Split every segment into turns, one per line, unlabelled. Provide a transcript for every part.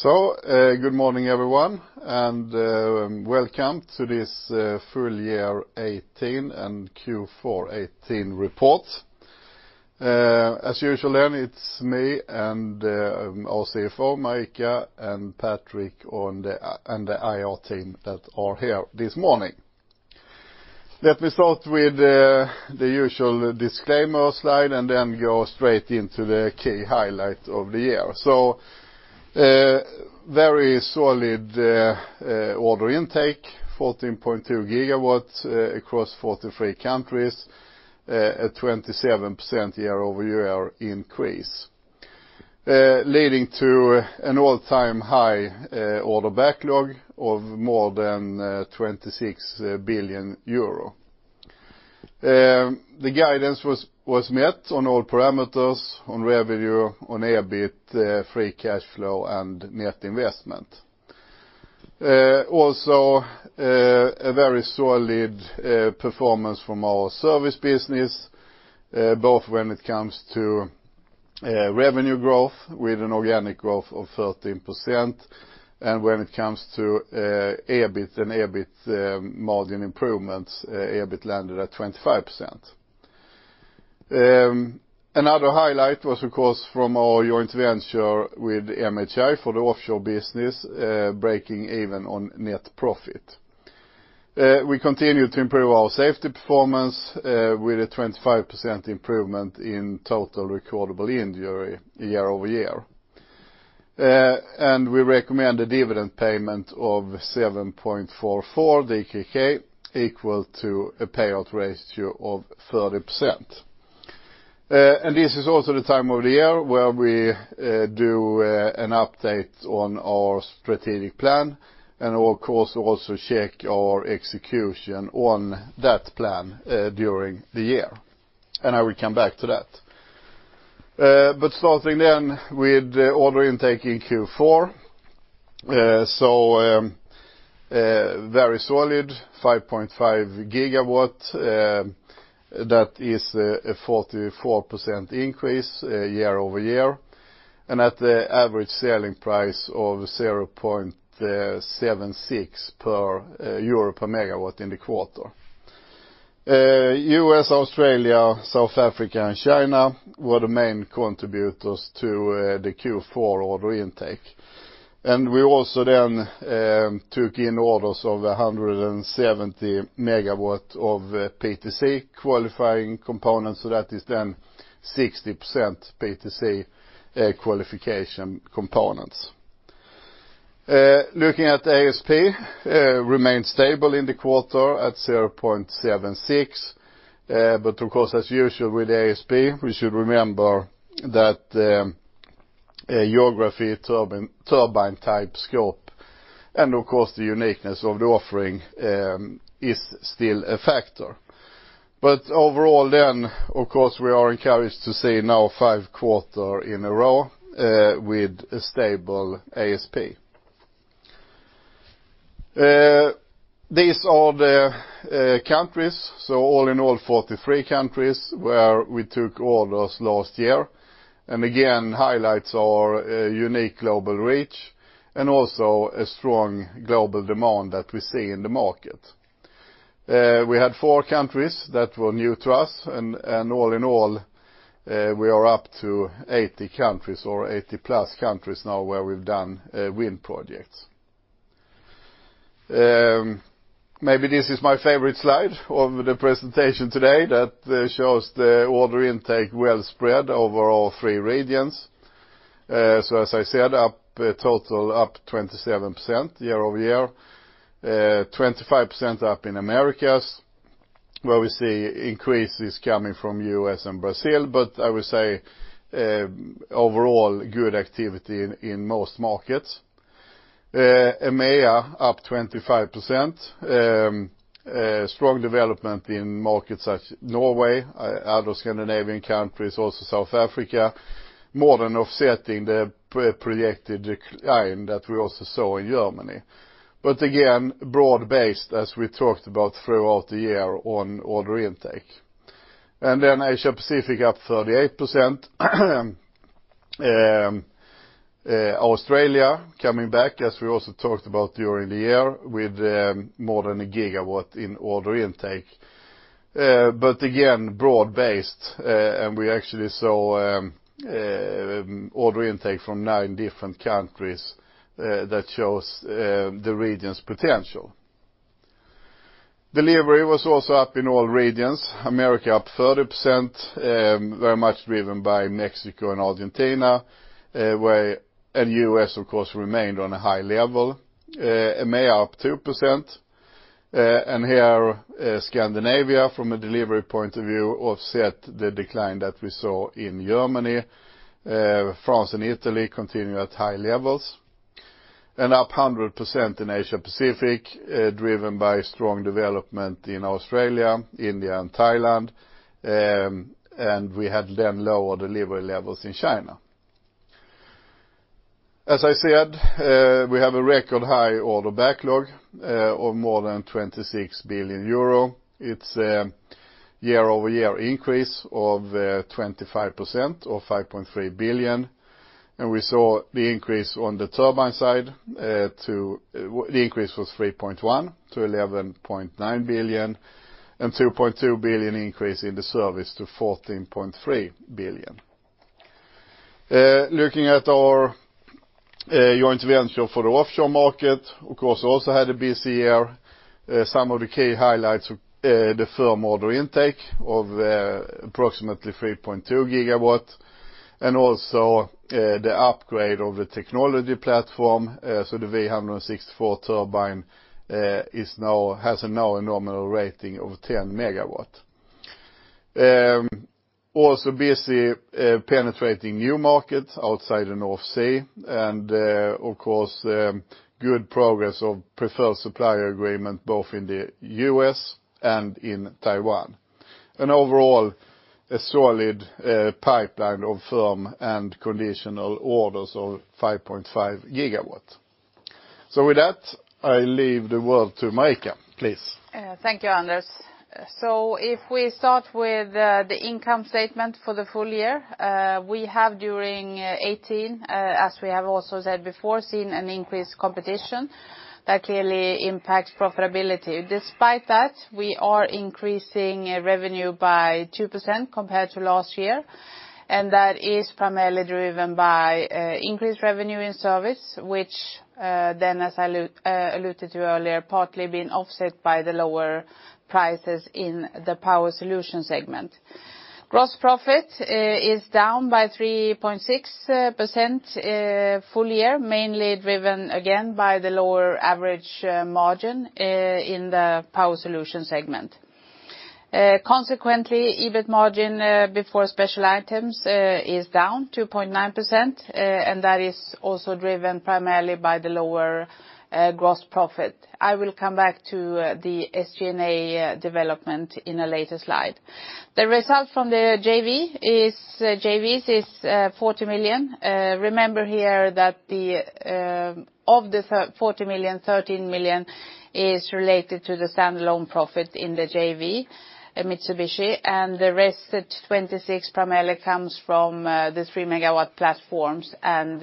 Good morning, everyone, and welcome to this full year 2018 and Q4 2018 report. As usual, it is me and our CFO, Marika, and Patrik, and the IR team that are here this morning. Let me start with the usual disclaimer slide and go straight into the key highlights of the year. Very solid order intake, 14.2 GW across 43 countries at 27% year-over-year increase, leading to an all-time high order backlog of more than 26 billion euro. The guidance was met on all parameters, on revenue, on EBIT, free cash flow, and net investment. A very solid performance from our service business, both when it comes to revenue growth with an organic growth of 13%, and when it comes to EBIT and EBIT margin improvements, EBIT landed at 25%. Another highlight was, of course, from our joint venture with MHI for the offshore business, breaking even on net profit. We continue to improve our safety performance with a 25% improvement in total recordable injury year-over-year. We recommend a dividend payment of 7.44 DKK, equal to a payout ratio of 30%. This is also the time of the year where we do an update on our strategic plan and, of course, also check our execution on that plan during the year. I will come back to that. Starting with order intake in Q4. Very solid 5.5 GW. That is a 44% increase year-over-year. At the average selling price of 0.76 euro per MW in the quarter. U.S., Australia, South Africa, and China were the main contributors to the Q4 order intake. We also took in orders of 170 MW of PTC qualifying components. That is 60% PTC qualification components. Looking at ASP, remained stable in the quarter at 0.76. Of course, as usual with ASP, we should remember that the geography turbine type scope and of course the uniqueness of the offering, is still a factor. Overall, of course, we are encouraged to see now five quarter in a row with a stable ASP. These are the countries. All in all, 43 countries where we took orders last year. Again, highlights our unique global reach and also a strong global demand that we see in the market. We had four countries that were new to us and all in all, we are up to 80 countries or 80+ countries now where we've done wind projects. Maybe this is my favorite slide of the presentation today that shows the order intake well-spread over all three regions. As I said, up total, up 27% year-over-year, 25% up in Americas, where we see increases coming from U.S. and Brazil. I would say, overall good activity in most markets. EMEA up 25%, strong development in markets such Norway, other Scandinavian countries, also South Africa, more than offsetting the projected decline that we also saw in Germany. Again, broad-based, as we talked about throughout the year on order intake. Asia-Pacific up 38%. Australia coming back, as we also talked about during the year, with more than a GW in order intake. Again, broad based, and we actually saw order intake from nine different countries that shows the region's potential. Delivery was also up in all regions. America up 30%, very much driven by Mexico and Argentina, and U.S., of course, remained on a high level. EMEA up 2%. Scandinavia, from a delivery point of view, offset the decline that we saw in Germany. France and Italy continue at high levels. Up 100% in Asia-Pacific, driven by strong development in Australia, India, and Thailand. We had then lower delivery levels in China. As I said, we have a record high order backlog of more than 26 billion euro. It's a year-over-year increase of 25% or 5.3 billion. We saw the increase on the turbine side, the increase was 3.1 billion to 11.9 billion, and 2.2 billion increase in the service to 14.3 billion. Looking at our joint venture for the offshore market, of course, also had a busy year. Some of the key highlights, the firm order intake of approximately 3.2 GW, and also the upgrade of the technology platform. The V164 turbine has now a nominal rating of 10 MW. Also busy penetrating new markets outside the North Sea, and, of course, good progress of preferred supplier agreement both in the U.S. and in Taiwan. Overall, a solid pipeline of firm and conditional orders of 5.5 GW. With that, I leave the world to Marika, please.
Thank you, Anders. If we start with the income statement for the full year, we have during 2018, as we have also said before, seen an increased competition that clearly impacts profitability. Despite that, we are increasing revenue by 2% compared to last year, and that is primarily driven by increased revenue and service, which then, as I alluded to earlier, partly been offset by the lower prices in the Power Solutions segment. Gross profit is down by 3.6% full year, mainly driven again by the lower average margin in the Power Solutions segment. Consequently, EBIT margin before special items is down 2.9%, and that is also driven primarily by the lower gross profit. I will come back to the SG&A development in a later slide. The result from the JVs is 40 million. Remember here that of the 40 million, 13 million is related to the standalone profit in the JV, Mitsubishi, and the rest 26 million primarily comes from the 3 MW platforms and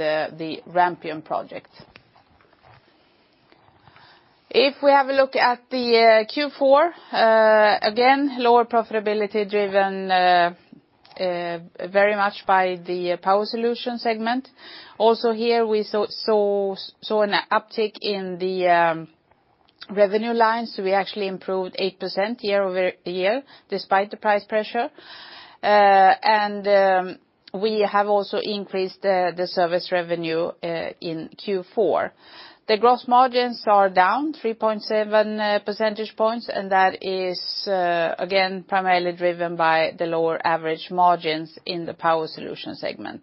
the Rampion project. If we have a look at the Q4, again, lower profitability driven very much by the Power Solutions segment. Also here, we saw an uptick in the revenue lines. We actually improved 8% year-over-year despite the price pressure. We have also increased the service revenue in Q4. The gross margins are down 3.7 percentage points, and that is, again, primarily driven by the lower average margins in the Power Solutions segment.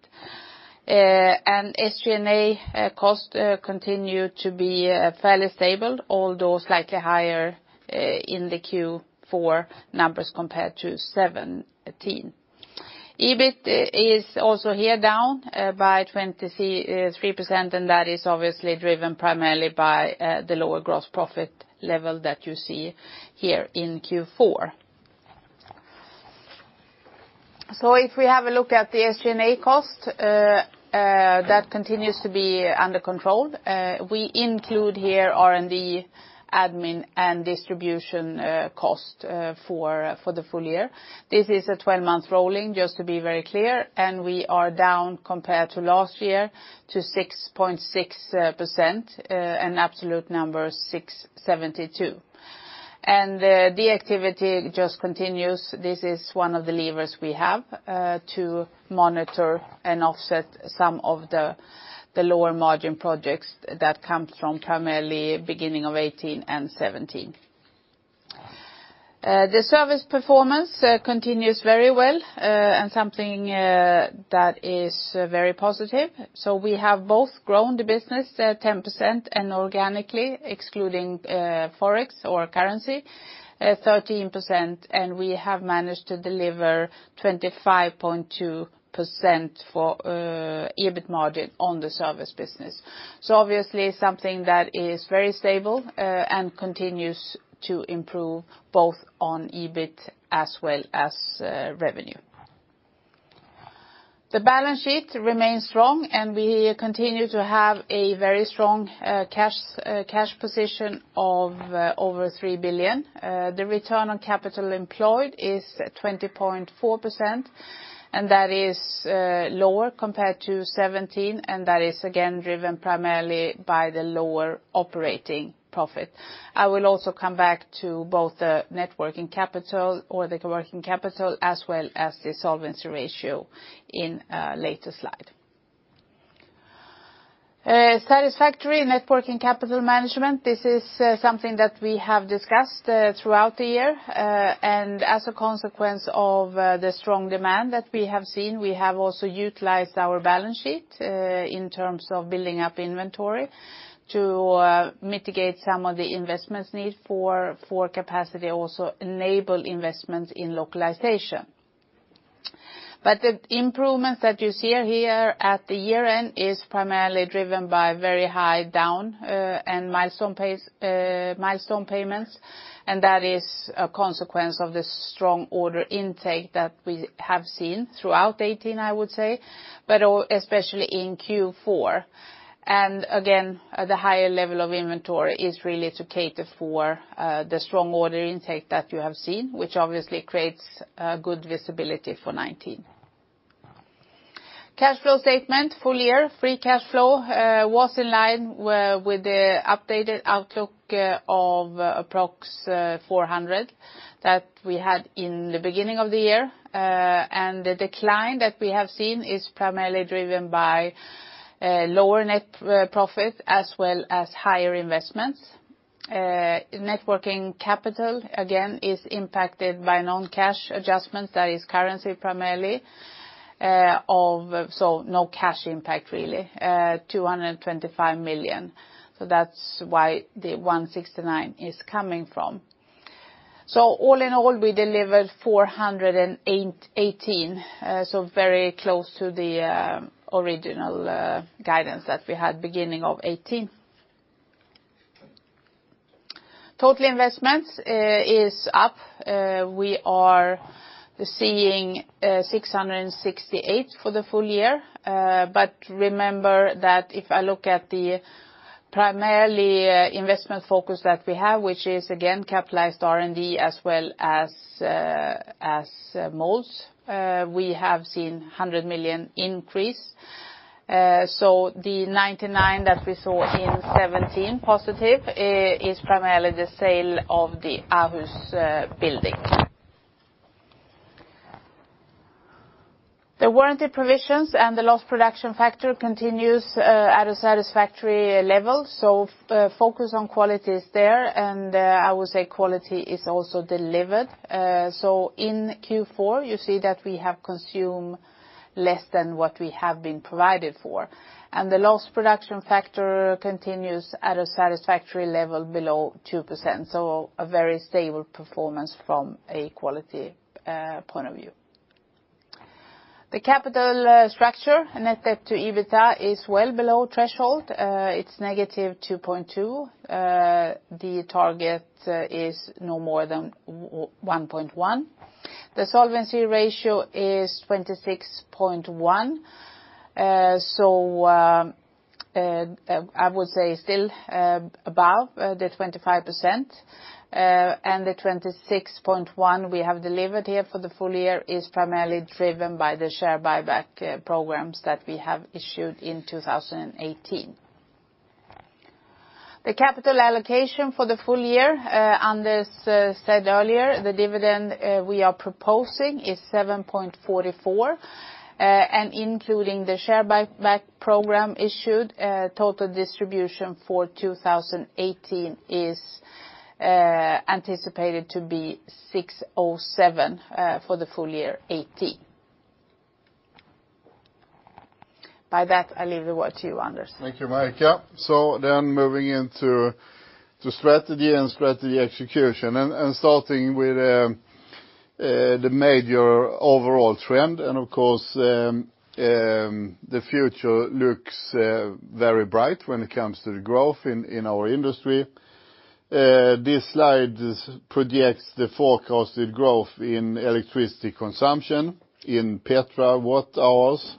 SG&A costs continue to be fairly stable, although slightly higher in the Q4 numbers compared to 2017. EBIT is also here down by 23%, and that is obviously driven primarily by the lower gross profit level that you see here in Q4. If we have a look at the SG&A cost, that continues to be under control. We include here R&D, admin, and distribution cost for the full year. This is a 12-month rolling, just to be very clear, we are down compared to last year to 6.6%, an absolute number 672. The activity just continues. This is one of the levers we have to monitor and offset some of the lower margin projects that come from primarily beginning of 2018 and 2017. The service performance continues very well, something that is very positive. We have both grown the business at 10% and organically, excluding Forex or currency, 13%, and we have managed to deliver 25.2% for EBIT margin on the service business. Obviously, something that is very stable and continues to improve both on EBIT as well as revenue. The balance sheet remains strong. We continue to have a very strong cash position of over 3 billion. The return on capital employed is 20.4%, and that is lower compared to 2017, and that is again driven primarily by the lower operating profit. I will also come back to both the net working capital or the working capital, as well as the solvency ratio in a later slide. Satisfactory net working capital management. This is something that we have discussed throughout the year. As a consequence of the strong demand that we have seen, we have also utilized our balance sheet in terms of building up inventory to mitigate some of the investments need for capacity, also enable investments in localization. But the improvements that you see here at the year-end is primarily driven by very high down and milestone payments. That is a consequence of the strong order intake that we have seen throughout 2018, I would say, but especially in Q4. Again, the higher level of inventory is really to cater for the strong order intake that you have seen, which obviously creates good visibility for 2019. Cash flow statement full year, free cash flow was in line with the updated outlook of approx 400 that we had in the beginning of the year. The decline that we have seen is primarily driven by lower net profit as well as higher investments. Networking capital, again, is impacted by non-cash adjustments, that is currency primarily, so no cash impact really, 225 million. That's where the 169 is coming from. All in all, we delivered 418, very close to the original guidance that we had beginning of 2018. Total investments is up. We are seeing 668 for the full year. Remember that if I look at the primarily investment focus that we have, which is again, capitalized R&D as well as molds, we have seen 100 million increase. The 99 that we saw in 2017 positive is primarily the sale of the Aarhus building. The warranty provisions and the lost production factor continues at a satisfactory level, focus on quality is there, I would say quality is also delivered. In Q4, you see that we have consumed less than what we have been provided for, and the lost production factor continues at a satisfactory level below 2%, a very stable performance from a quality point of view. The capital structure, net debt to EBITA, is well below threshold. It's -2.2. The target is no more than 1.1. The solvency ratio is 26.1%. I would say still above the 25%, and the 26.1% we have delivered here for the full year is primarily driven by the share buyback programs that we have issued in 2018. The capital allocation for the full year, Anders said earlier, the dividend we are proposing is 7.44, and including the share buyback program issued, total distribution for 2018 is anticipated to be 6.07 for the full year 2018. By that, I leave the word to you, Anders.
Thank you, Marika. Moving into strategy and strategy execution, starting with the major overall trend, of course, the future looks very bright when it comes to the growth in our industry. This slide projects the forecasted growth in electricity consumption in petawatt hours,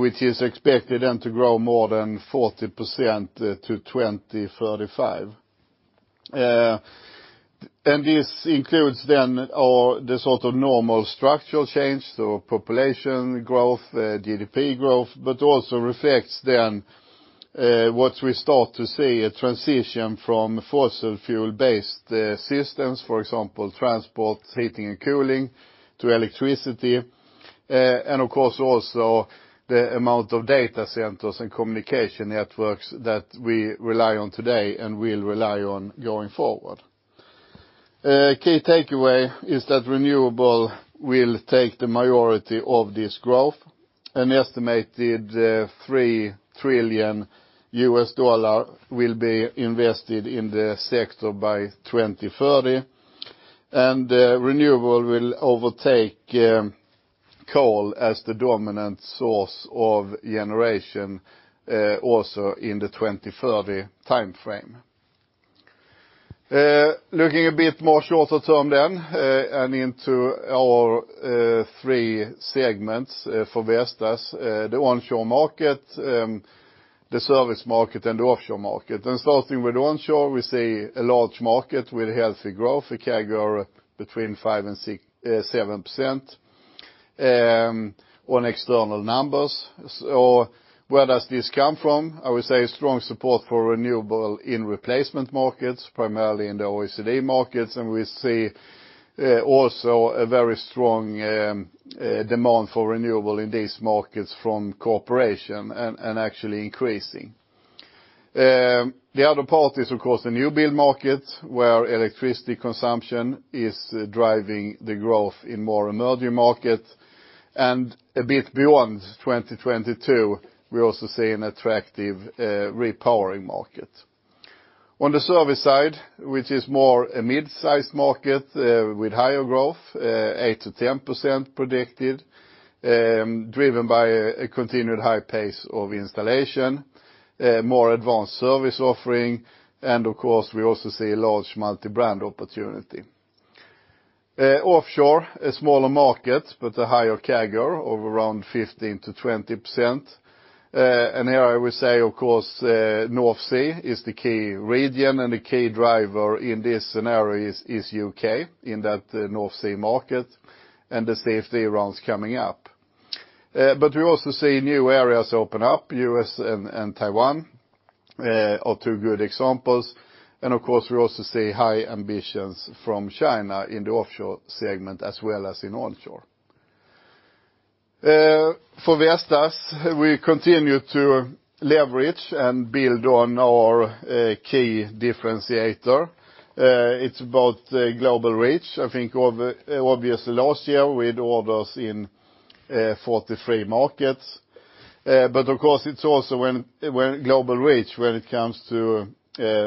which is expected to grow more than 40% to 2035. This includes our sort of normal structural change, population growth, GDP growth, but also reflects what we start to see, a transition from fossil fuel-based systems, for example, transport, heating, and cooling to electricity. Of course also the amount of data centers and communication networks that we rely on today and will rely on going forward. A key takeaway is that renewable will take the majority of this growth. An estimated $3 trillion U.S. will be invested in the sector by 2030, renewable will overtake coal as the dominant source of generation, also in the 2030 timeframe. Looking a bit more shorter term, into our three segments for Vestas, the onshore market, the service market, and the offshore market. Starting with onshore, we see a large market with healthy growth, a CAGR between 5%-7% on external numbers. Where does this come from? I would say strong support for renewable in replacement markets, primarily in the OECD markets, and we see also a very strong demand for renewable in these markets from corporation, and actually increasing. The other part is, of course, the new build market, where electricity consumption is driving the growth in more emerging markets. A bit beyond 2022, we also see an attractive repowering market. On the service side, which is more a mid-sized market with higher growth, 8%-10% predicted, driven by a continued high pace of installation, more advanced service offering, and of course, we also see a large multi-brand opportunity. Offshore, a smaller market, but a higher CAGR of around 15%-20%. Here I will say, of course, North Sea is the key region, and the key driver in this scenario is U.K., in that North Sea market and the CFD rounds coming up. We also see new areas open up, U.S. and Taiwan are two good examples. Of course, we also see high ambitions from China in the offshore segment as well as in onshore. For Vestas, we continue to leverage and build on our key differentiator. It's about global reach, I think obviously last year with orders in 43 markets. Of course, it's also global reach when it comes to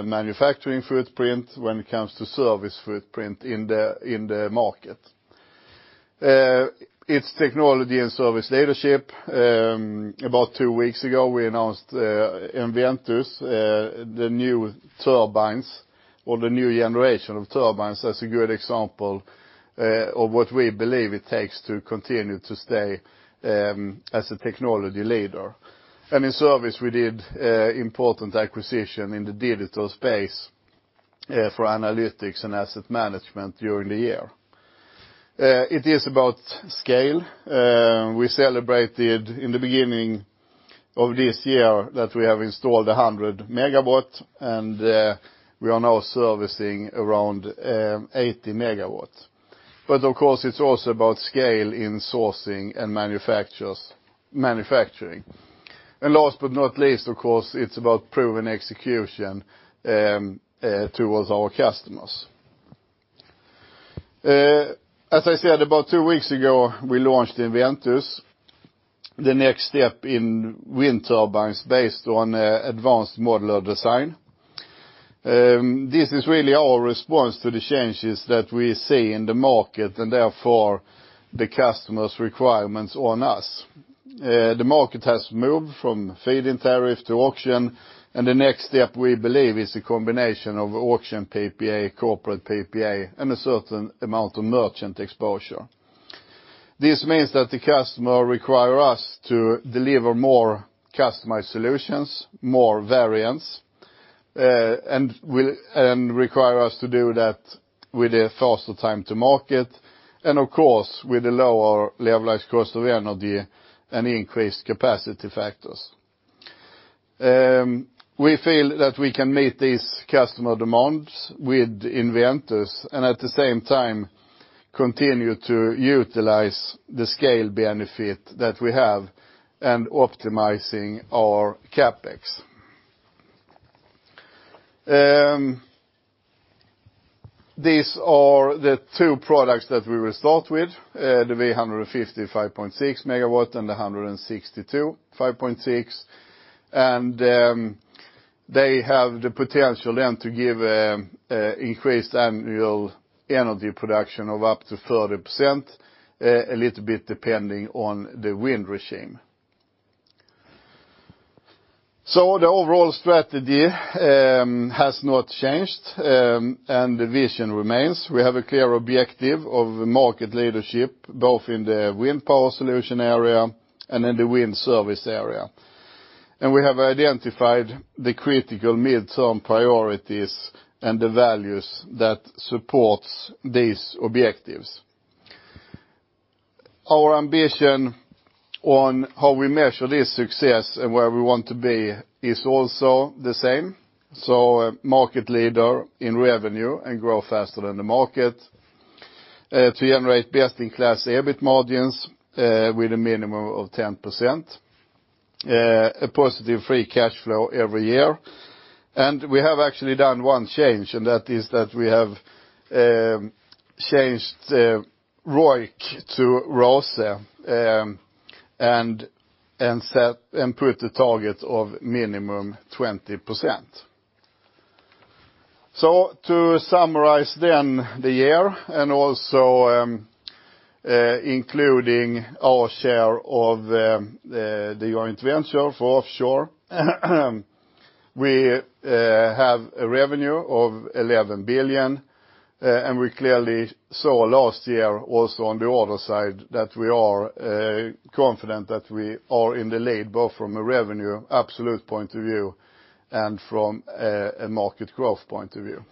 manufacturing footprint, when it comes to service footprint in the market. It's technology and service leadership. About two weeks ago, we announced EnVentus, the new turbines or the new generation of turbines, as a good example of what we believe it takes to continue to stay as a technology leader. In service, we did important acquisition in the digital space for analytics and asset management during the year. It is about scale. We celebrated in the beginning of this year that we have installed 100 MW, and we are now servicing around 80 MW. Of course, it's also about scale in sourcing and manufacturing. Last but not least, of course, it's about proven execution towards our customers. As I said, about 2 weeks ago, we launched EnVentus, the next step in wind turbines based on advanced modular design. This is really our response to the changes that we see in the market, and therefore, the customers' requirements on us. The market has moved from feed-in tariff to auction, and the next step, we believe, is a combination of auction PPA, corporate PPA, and a certain amount of merchant exposure. This means that the customer require us to deliver more customized solutions, more variants, and require us to do that with a faster time to market. Of course, with a lower levelized cost of energy and increased capacity factors. We feel that we can meet these customer demands with EnVentus, and at the same time, continue to utilize the scale benefit that we have and optimizing our CapEx. These are the two products that we will start with, the V150 5.6 MW and the V162 5.6. They have the potential then to give increased annual energy production of up to 30%, a little bit depending on the wind regime. The overall strategy has not changed, and the vision remains. We have a clear objective of market leadership, both in the Power Solutions area and in the wind service area. We have identified the critical midterm priorities and the values that supports these objectives. Our ambition on how we measure this success and where we want to be is also the same. Market leader in revenue and grow faster than the market, to generate best-in-class EBIT margins with a minimum of 10%, a positive free cash flow every year. We have actually done 1 change, and that is that we have changed ROIC to ROCE, and put a target of minimum 20%. To summarize then the year, and also including our share of the joint venture for offshore, we have a revenue of 11 billion, and we clearly saw last year also on the order side that we are confident that we are in the lead, both from a revenue absolute point of view and from a market growth point of view.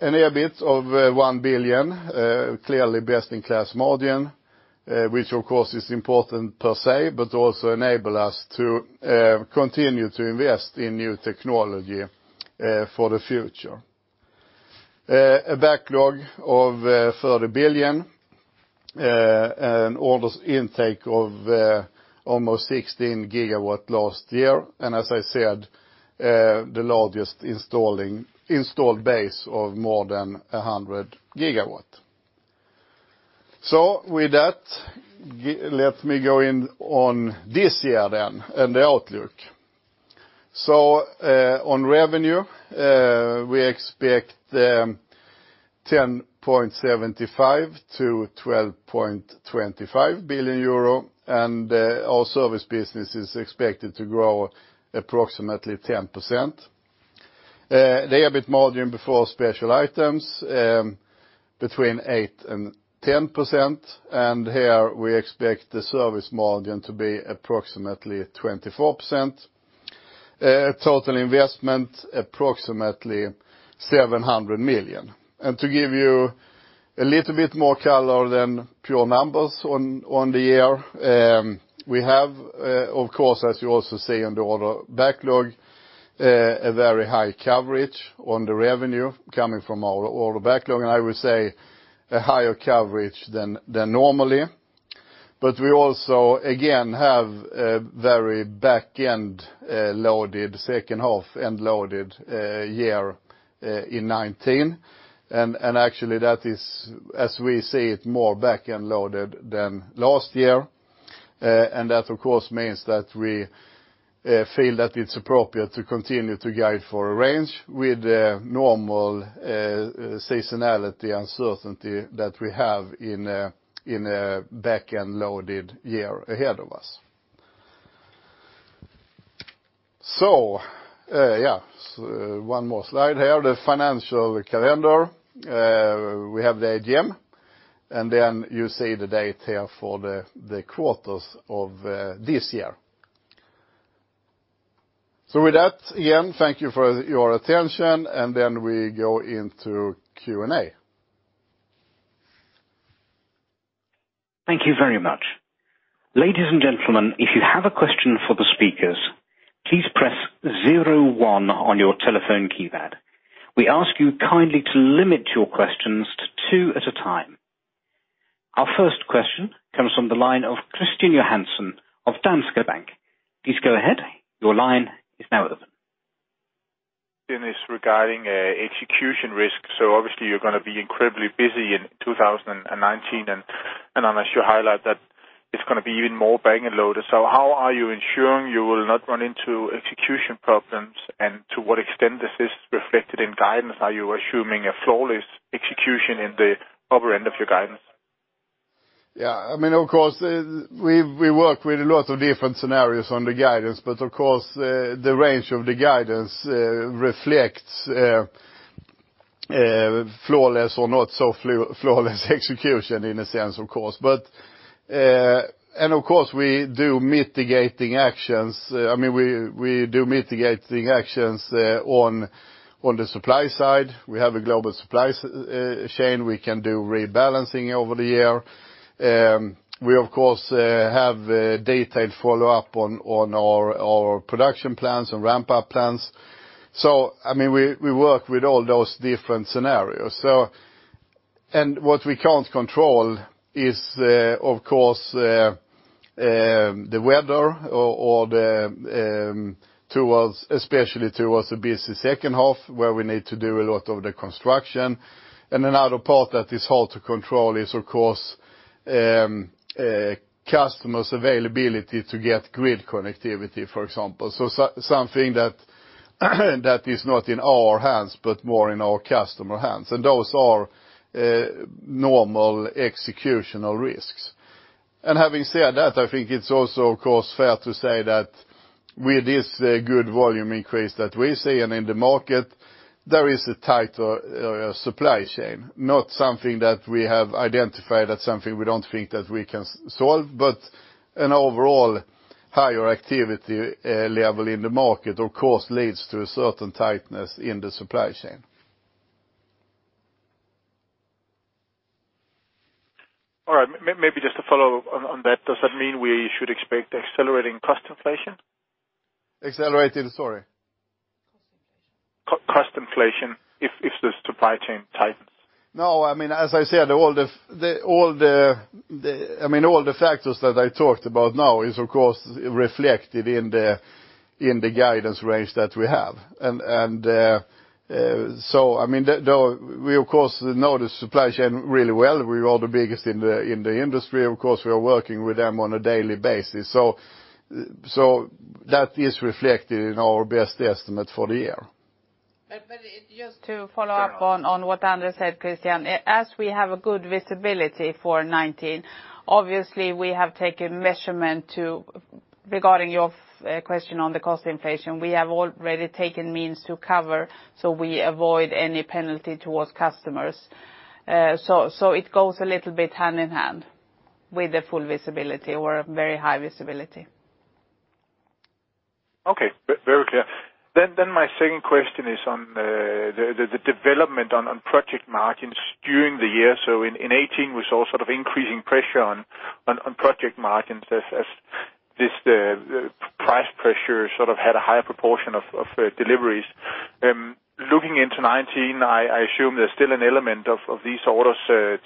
An EBIT of 1 billion, clearly best-in-class margin, which of course is important per se, but also enable us to continue to invest in new technology for the future. A backlog of [30 billion], an orders intake of almost 16 GW last year, and as I said, the largest installed base of more than 100 GW. With that, let me go in on this year then, and the outlook. On revenue, we expect 10.75 billion-12.25 billion euro, and our service business is expected to grow approximately 10%. EBIT margin before special items, between 8% and 10%, and here we expect the service margin to be approximately 24%. Total investment, approximately 700 million. To give you a little bit more color than pure numbers on the year, we have, of course, as you also see on the order backlog, a very high coverage on the revenue coming from our order backlog, and I would say a higher coverage than normally. We also, again, have a very back-end loaded, second half-end loaded year in 2019. Actually that is, as we see it, more back-end loaded than last year. That, of course, means that we feel that it's appropriate to continue to guide for a range with a normal seasonality uncertainty that we have in a back-end loaded year ahead of us. One more slide here, the financial calendar. We have the AGM, you see the date here for the quarters of this year. With that, again, thank you for your attention, we go into Q&A.
Thank you very much. Ladies and gentlemen, if you have a question for the speakers, please press 01 on your telephone keypad. We ask you kindly to limit your questions to two at a time. Our first question comes from the line of Christian Johansen of Danske Bank. Please go ahead. Your line is now open.
Christian. It's regarding execution risk. Obviously you're going to be incredibly busy in 2019, and unless you highlight that it's going to be even more back-end loaded. How are you ensuring you will not run into execution problems, and to what extent is this reflected in guidance? Are you assuming a flawless execution in the upper end of your guidance?
Yeah. Of course, we work with a lot of different scenarios on the guidance, but the range of the guidance reflects flawless or not so flawless execution in a sense, of course. Of course, we do mitigating actions. We do mitigating actions on the supply side. We have a global supply chain. We can do rebalancing over the year. We, of course, have detailed follow-up on our production plans and ramp-up plans. We work with all those different scenarios. What we can't control is, of course, the weather, especially towards the busy second half, where we need to do a lot of the construction. Another part that is hard to control is, of course, customers' availability to get grid connectivity, for example. Something that is not in our hands, but more in our customer hands. Those are normal executional risks. Having said that, I think it's also, of course, fair to say that with this good volume increase that we're seeing in the market, there is a tighter supply chain. Not something that we have identified, that's something we don't think that we can solve, but an overall higher activity level in the market, of course, leads to a certain tightness in the supply chain.
All right. Maybe just to follow up on that, does that mean we should expect accelerating cost inflation?
Accelerating, sorry?
Cost inflation, if the supply chain tightens.
No. As I said, all the factors that I talked about now is, of course, reflected in the guidance range that we have. We of course know the supply chain really well. We're the biggest in the industry. Of course, we are working with them on a daily basis. That is reflected in our best estimate for the year.
Just to follow up on what Anders said, Christian. As we have a good visibility for 2019, obviously we have taken measurement to, regarding your question on the cost inflation, we have already taken means to cover so we avoid any penalty towards customers. It goes a little bit hand in hand with the full visibility, or very high visibility.
Okay. Very clear. My second question is on the development on project margins during the year. In 2018, we saw sort of increasing pressure on project margins as this price pressure sort of had a higher proportion of deliveries. Looking into 2019, I assume there is still an element of these orders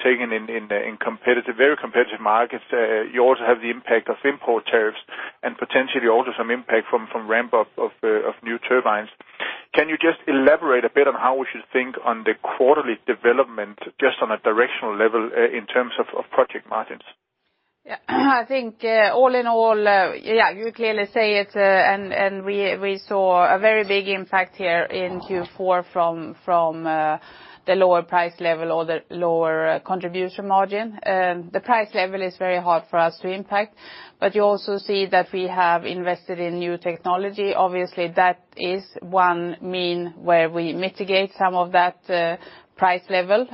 taken in very competitive markets. You also have the impact of import tariffs and potentially also some impact from ramp-up of new turbines. Can you just elaborate a bit on how we should think on the quarterly development, just on a directional level in terms of project margins?
Yeah. I think all in all, you clearly say it, we saw a very big impact here in Q4 from the lower price level or the lower contribution margin. The price level is very hard for us to impact. You also see that we have invested in new technology. Obviously, that is one mean where we mitigate some of that price level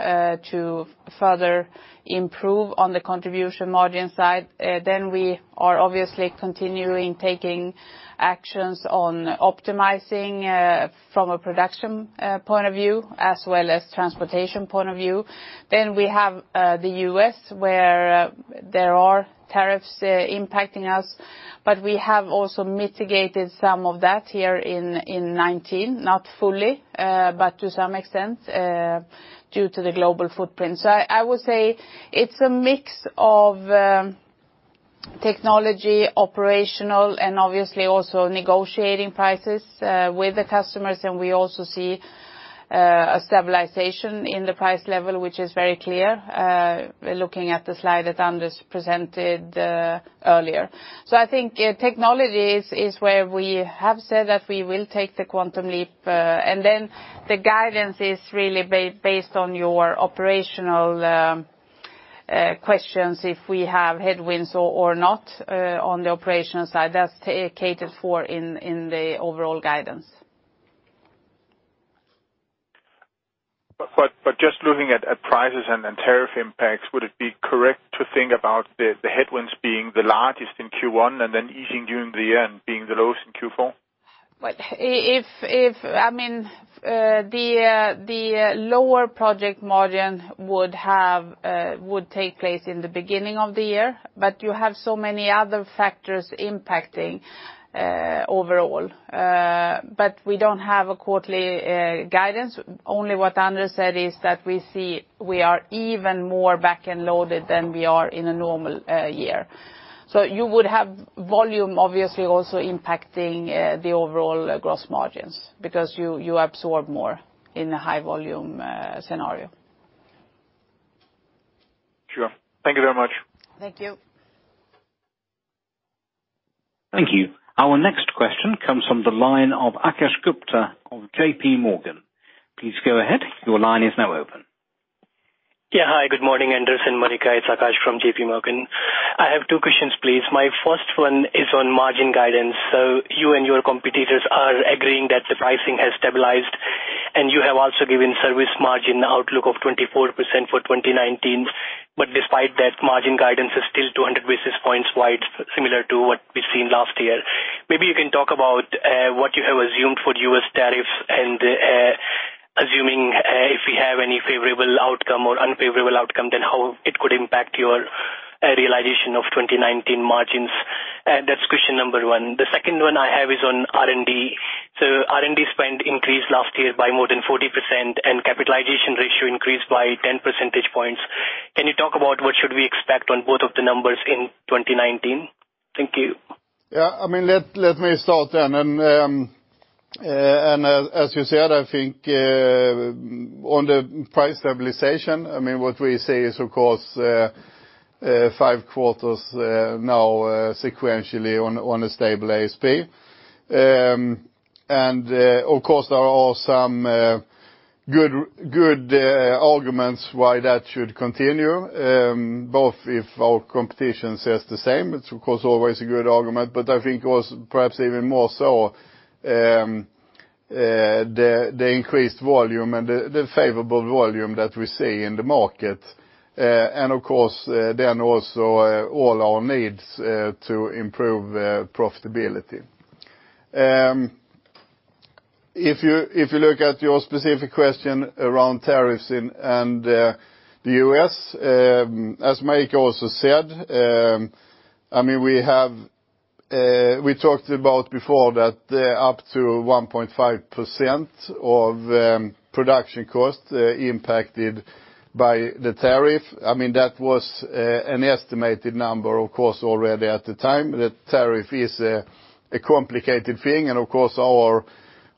to further improve on the contribution margin side. We are obviously continuing taking actions on optimizing from a production point of view, as well as transportation point of view. We have the U.S., where there are tariffs impacting us, but we have also mitigated some of that here in 2019, not fully, but to some extent, due to the global footprint. I would say it's a mix of technology, operational, and obviously also negotiating prices with the customers, and we also see a stabilization in the price level, which is very clear, looking at the slide that Anders presented earlier. I think technologies is where we have said that we will take the quantum leap. The guidance is really based on your operational questions, if we have headwinds or not on the operational side. That's catered for in the overall guidance.
Just looking at prices and tariff impacts, would it be correct to think about the headwinds being the largest in Q1 and then easing during the year being the lowest in Q4?
The lower project margin would take place in the beginning of the year, you have so many other factors impacting overall. We don't have a quarterly guidance. Only what Anders said is that we see we are even more back-end loaded than we are in a normal year. You would have volume obviously also impacting the overall gross margins because you absorb more in a high-volume scenario.
Sure. Thank you very much.
Thank you.
Thank you. Our next question comes from the line of Akash Gupta of JPMorgan. Please go ahead. Your line is now open.
Yeah. Hi, good morning, Anders and Marika. It's Akash from J.P. Morgan. I have two questions, please. My first one is on margin guidance. You and your competitors are agreeing that the pricing has stabilized, and you have also given service margin outlook of 24% for 2019. Despite that, margin guidance is still 200 basis points wide, similar to what we've seen last year. Maybe you can talk about what you have assumed for U.S. tariffs and assuming if we have any favorable outcome or unfavorable outcome, then how it could impact your realization of 2019 margins. That's question number one. The second one I have is on R&D. R&D spend increased last year by more than 40% and capitalization ratio increased by 10 percentage points. Can you talk about what should we expect on both of the numbers in 2019? Thank you.
Yeah. Let me start. As you said, I think on the price stabilization, what we see is, of course, five quarters now sequentially on a stable ASP. Of course, there are some good arguments why that should continue, both if our competition says the same, it's, of course, always a good argument, but I think perhaps even more so the increased volume and the favorable volume that we see in the market. Of course, also all our needs to improve profitability. If you look at your specific question around tariffs and the U.S., as Marika also said, we talked about before that up to 1.5% of production cost impacted by the tariff. That was an estimated number, of course, already at the time. The tariff is a complicated thing. Of course, our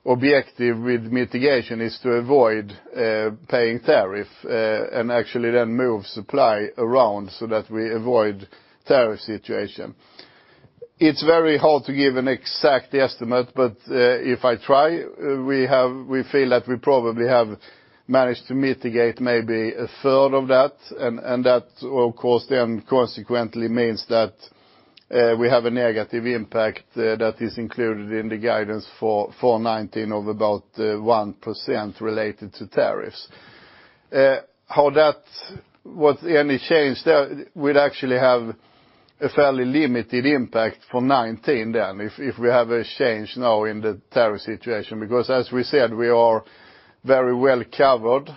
objective with mitigation is to avoid paying tariff, and actually then move supply around so that we avoid tariff situation. It's very hard to give an exact estimate. If I try, we feel that we probably have managed to mitigate maybe a third of that. That, of course, then consequently means that we have a negative impact that is included in the guidance for 2019 of about 1% related to tariffs. Any change there would actually have a fairly limited impact from 2019 then, if we have a change now in the tariff situation, as we said, we are very well covered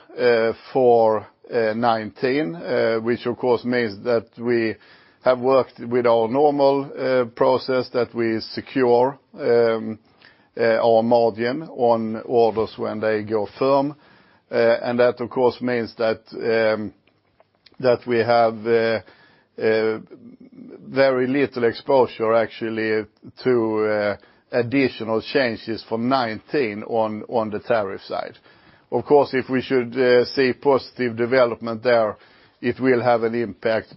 for 2019, which of course means that we have worked with our normal process that we secure our margin on orders when they go firm. That of course means that we have very little exposure, actually, to additional changes from 2019 on the tariff side. Of course, if we should see positive development there, it will have an impact.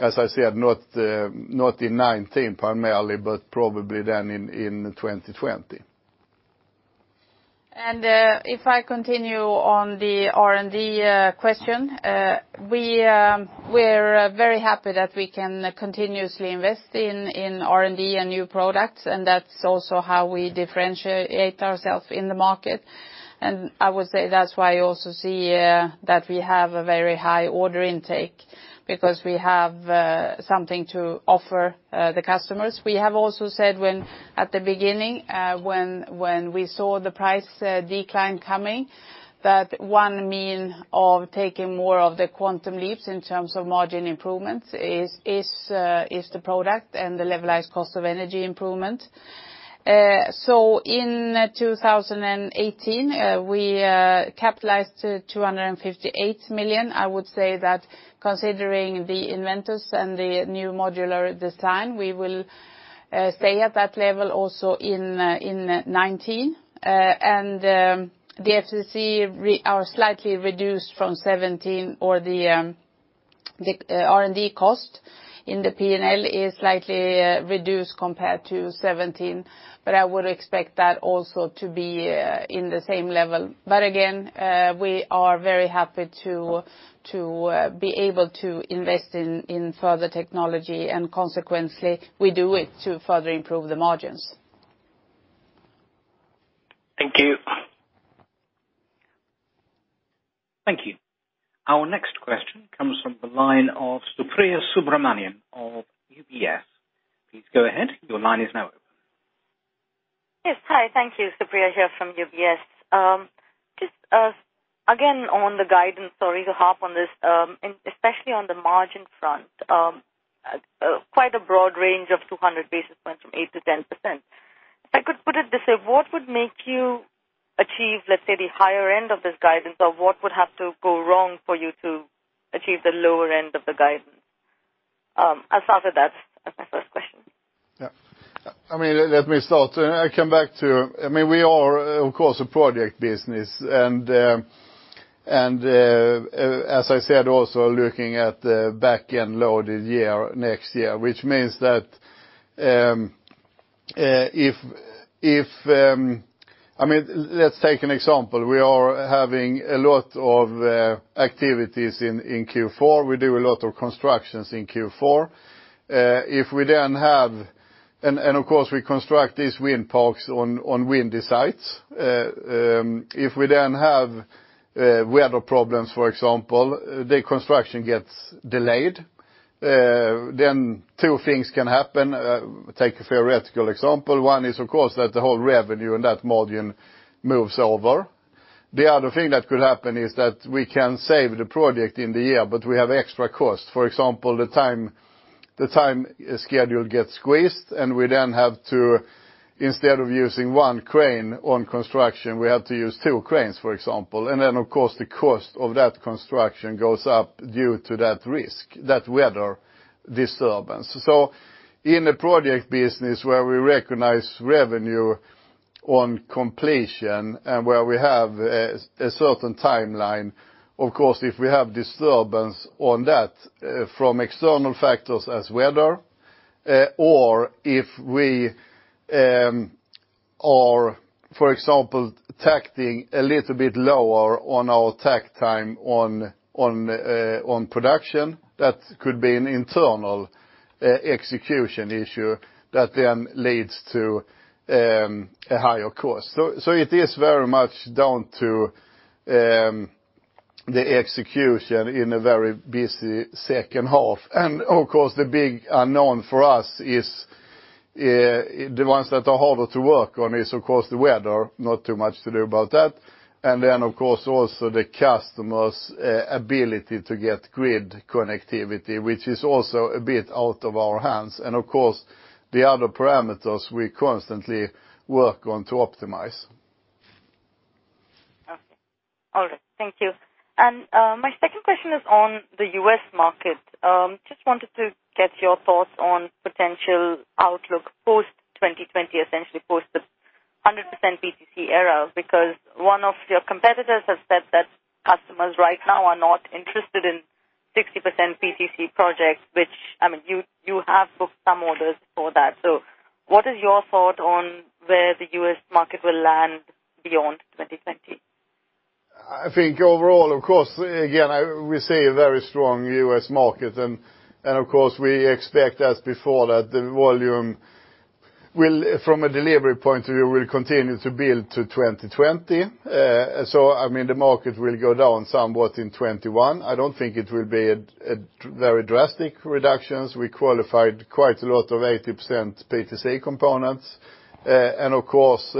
As I said, not in 2019 primarily, but probably then in 2020.
If I continue on the R&D question, we're very happy that we can continuously invest in R&D and new products, and that's also how we differentiate ourselves in the market. I would say that's why you also see that we have a very high order intake, because we have something to offer the customers. We have also said when at the beginning, when we saw the price decline coming, that one means of taking more of the quantum leaps in terms of margin improvements is the product and the levelized cost of energy improvement. In 2018, we capitalized 258 million. I would say that considering the EnVentus and the new modular design, we will stay at that level also in 2019. The PTC are slightly reduced from 2017 or the R&D cost in the P&L is slightly reduced compared to 2017. I would expect that also to be in the same level. Again, we are very happy to be able to invest in further technology, and consequently, we do it to further improve the margins.
Thank you.
Thank you. Our next question comes from the line of Supriya Subramanian of UBS. Please go ahead. Your line is now open.
Yes. Hi, thank you, Supriya here from UBS. Just again, on the guidance, sorry to harp on this, especially on the margin front, quite a broad range of 200 basis points from 8%-10%. If I could put it this way, what would make you achieve, let's say, the higher end of this guidance, or what would have to go wrong for you to achieve the lower end of the guidance? I'll start with that as my first question.
Yeah. Let me start. We are, of course, a project business, as I said, also looking at the back-end loaded year, next year, which means that Let's take an example. We are having a lot of activities in Q4. We do a lot of constructions in Q4. Of course, we construct these wind parks on windy sites. If we then have weather problems, for example, the construction gets delayed, two things can happen. Take a theoretical example. One is, of course, that the whole revenue and that margin moves over. The other thing that could happen is that we can save the project in the year, but we have extra costs. For example, the time schedule gets squeezed, and we then have to, instead of using one crane on construction, we have to use two cranes, for example. Of course, the cost of that construction goes up due to that risk, that weather disturbance. In a project business where we recognize revenue on completion and where we have a certain timeline, of course, if we have disturbance on that from external factors as weather, or if we are, for example, tacking a little bit lower on our tack time on production, that could be an internal execution issue that leads to a higher cost. It is very much down to the execution in a very busy second half. Of course, the big unknown for us is, the ones that are harder to work on is, of course, the weather. Not too much to do about that. Of course, also the customer's ability to get grid connectivity, which is also a bit out of our hands. Of course, the other parameters we constantly work on to optimize.
All right. Thank you. My second question is on the U.S. market. Just wanted to get your thoughts on potential outlook post-2020, essentially post the 100% PTC era, because one of your competitors has said that customers right now are not interested in 60% PTC projects, which you have booked some orders for that. What is your thought on where the U.S. market will land beyond 2020?
I think overall, of course, again, we see a very strong U.S. market. Of course, we expect as before that the volume, from a delivery point of view, will continue to build to 2020. The market will go down somewhat in 2021. I don't think it will be very drastic reductions. We qualified quite a lot of 80% PTC components. Of course,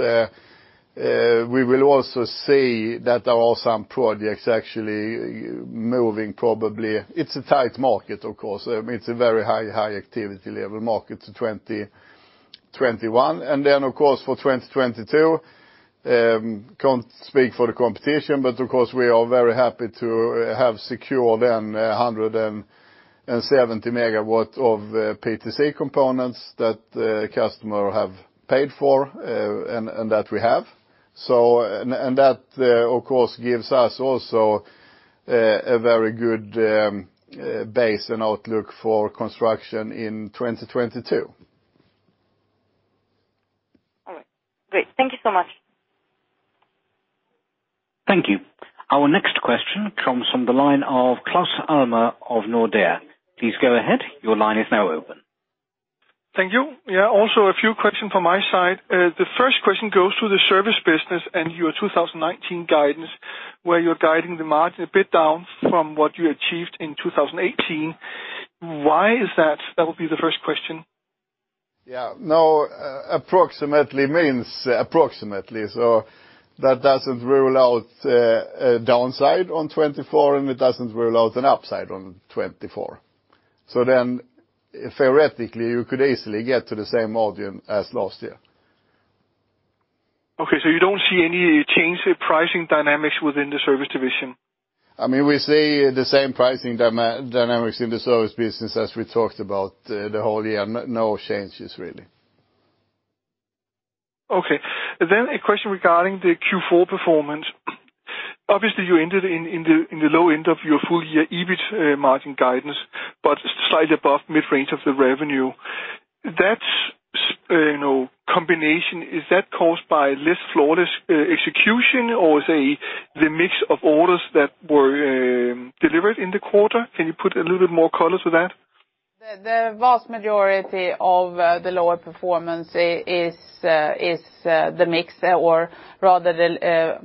we will also see that there are some projects actually moving, probably. It's a tight market, of course. It's a very high activity level market to 2020-2021. Of course, for 2022, can't speak for the competition, but of course, we are very happy to have secured then 170 MW of PTC components that the customer have paid for, and that we have. That, of course, gives us also a very good base and outlook for construction in 2022.
All right. Great. Thank you so much.
Thank you. Our next question comes from the line of Claus Almer of Nordea. Please go ahead. Your line is now open.
Thank you. Yeah, also a few question from my side. The first question goes to the service business and your 2019 guidance, where you're guiding the margin a bit down from what you achieved in 2018. Why is that? That would be the first question.
Yeah, no, approximately means approximately, that doesn't rule out a downside on 2024, it doesn't rule out an upside on 2024. Theoretically, you could easily get to the same margin as last year.
Okay, you don't see any change to pricing dynamics within the service division?
We see the same pricing dynamics in the service business as we talked about the whole year. No changes, really.
A question regarding the Q4 performance. Obviously, you ended in the low end of your full year EBIT margin guidance, but slightly above mid-range of the revenue. That combination, is that caused by less flawless execution, or say the mix of orders that were delivered in the quarter? Can you put a little bit more color to that?
The vast majority of the lower performance is the mix or rather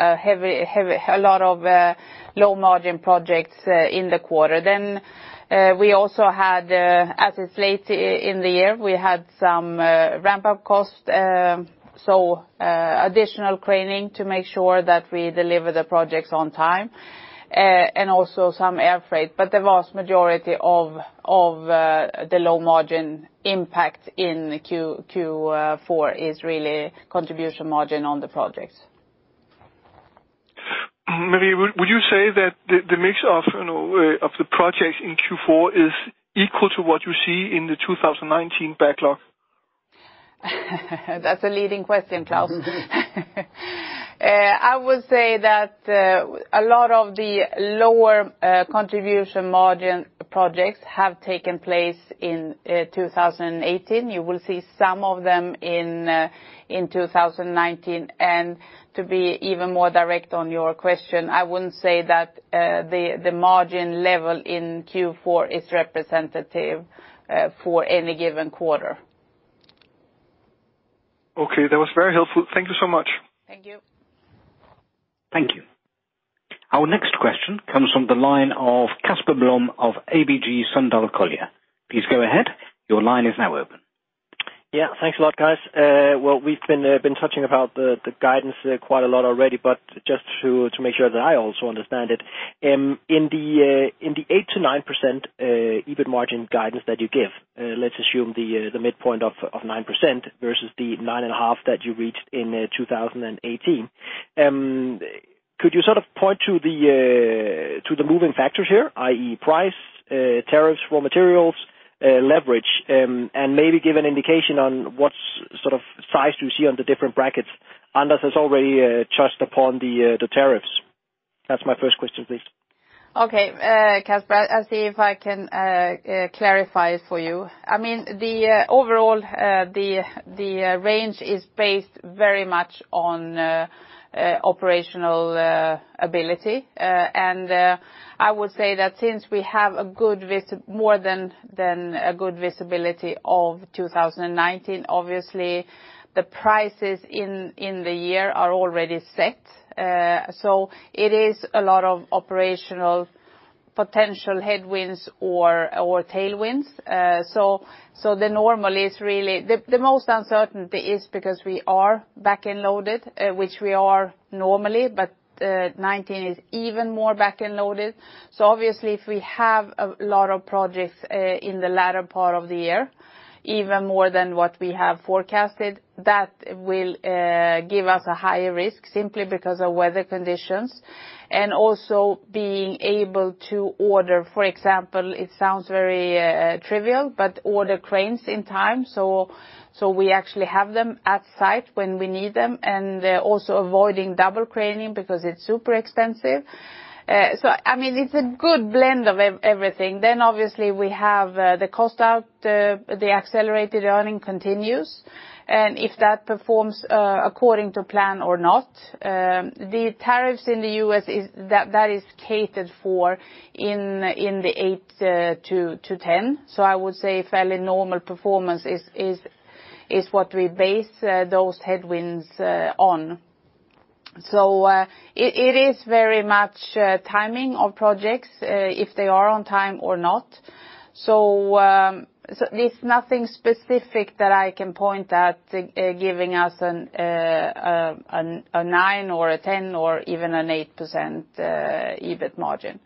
a lot of low-margin projects in the quarter. We also had, as it is late in the year, we had some ramp-up costs, so additional craning to make sure that we deliver the projects on time. Also some air freight. The vast majority of the low-margin impact in Q4 is really contribution margin on the projects.
Marie, would you say that the mix of the projects in Q4 is equal to what you see in the 2019 backlog?
That's a leading question, Claus. I would say that a lot of the lower contribution margin projects have taken place in 2018. You will see some of them in 2019. To be even more direct on your question, I wouldn't say that the margin level in Q4 is representative for any given quarter.
Okay. That was very helpful. Thank you so much.
Thank you.
Thank you. Our next question comes from the line of Casper Blom of ABG Sundal Collier. Please go ahead. Your line is now open.
Yeah, thanks a lot, guys. Well, we've been touching about the guidance quite a lot already, but just to make sure that I also understand it, in the 8%-9% EBIT margin guidance that you give, let's assume the midpoint of 9% versus the nine and a half that you reached in 2018. Could you point to the moving factors here, i.e. price, tariffs for materials, leverage, and maybe give an indication on what sort of size do you see on the different brackets? Anders has already touched upon the tariffs. That's my first question, please.
Okay, Casper. I'll see if I can clarify it for you. Overall, the range is based very much on operational ability. I would say that since we have more than a good visibility of 2019, obviously, the prices in the year are already set. It is a lot of operational potential headwinds or tailwinds. The most uncertainty is because we are back-end loaded, which we are normally, but 2019 is even more back-end loaded. Obviously, if we have a lot of projects in the latter part of the year, even more than what we have forecasted, that will give us a higher risk simply because of weather conditions. Also being able to order, for example, it sounds very trivial, but order cranes in time, so we actually have them at site when we need them, and also avoiding double craning because it's super expensive. It's a good blend of everything. Obviously, we have the cost out, the accelerated earning continues, and if that performs according to plan or not. The tariffs in the U.S., that is catered for in the 8%-10%. I would say fairly normal performance is what we base those headwinds on. It is very much timing of projects, if they are on time or not. There's nothing specific that I can point at giving us a 9% or a 10% or even an 8% EBIT margin.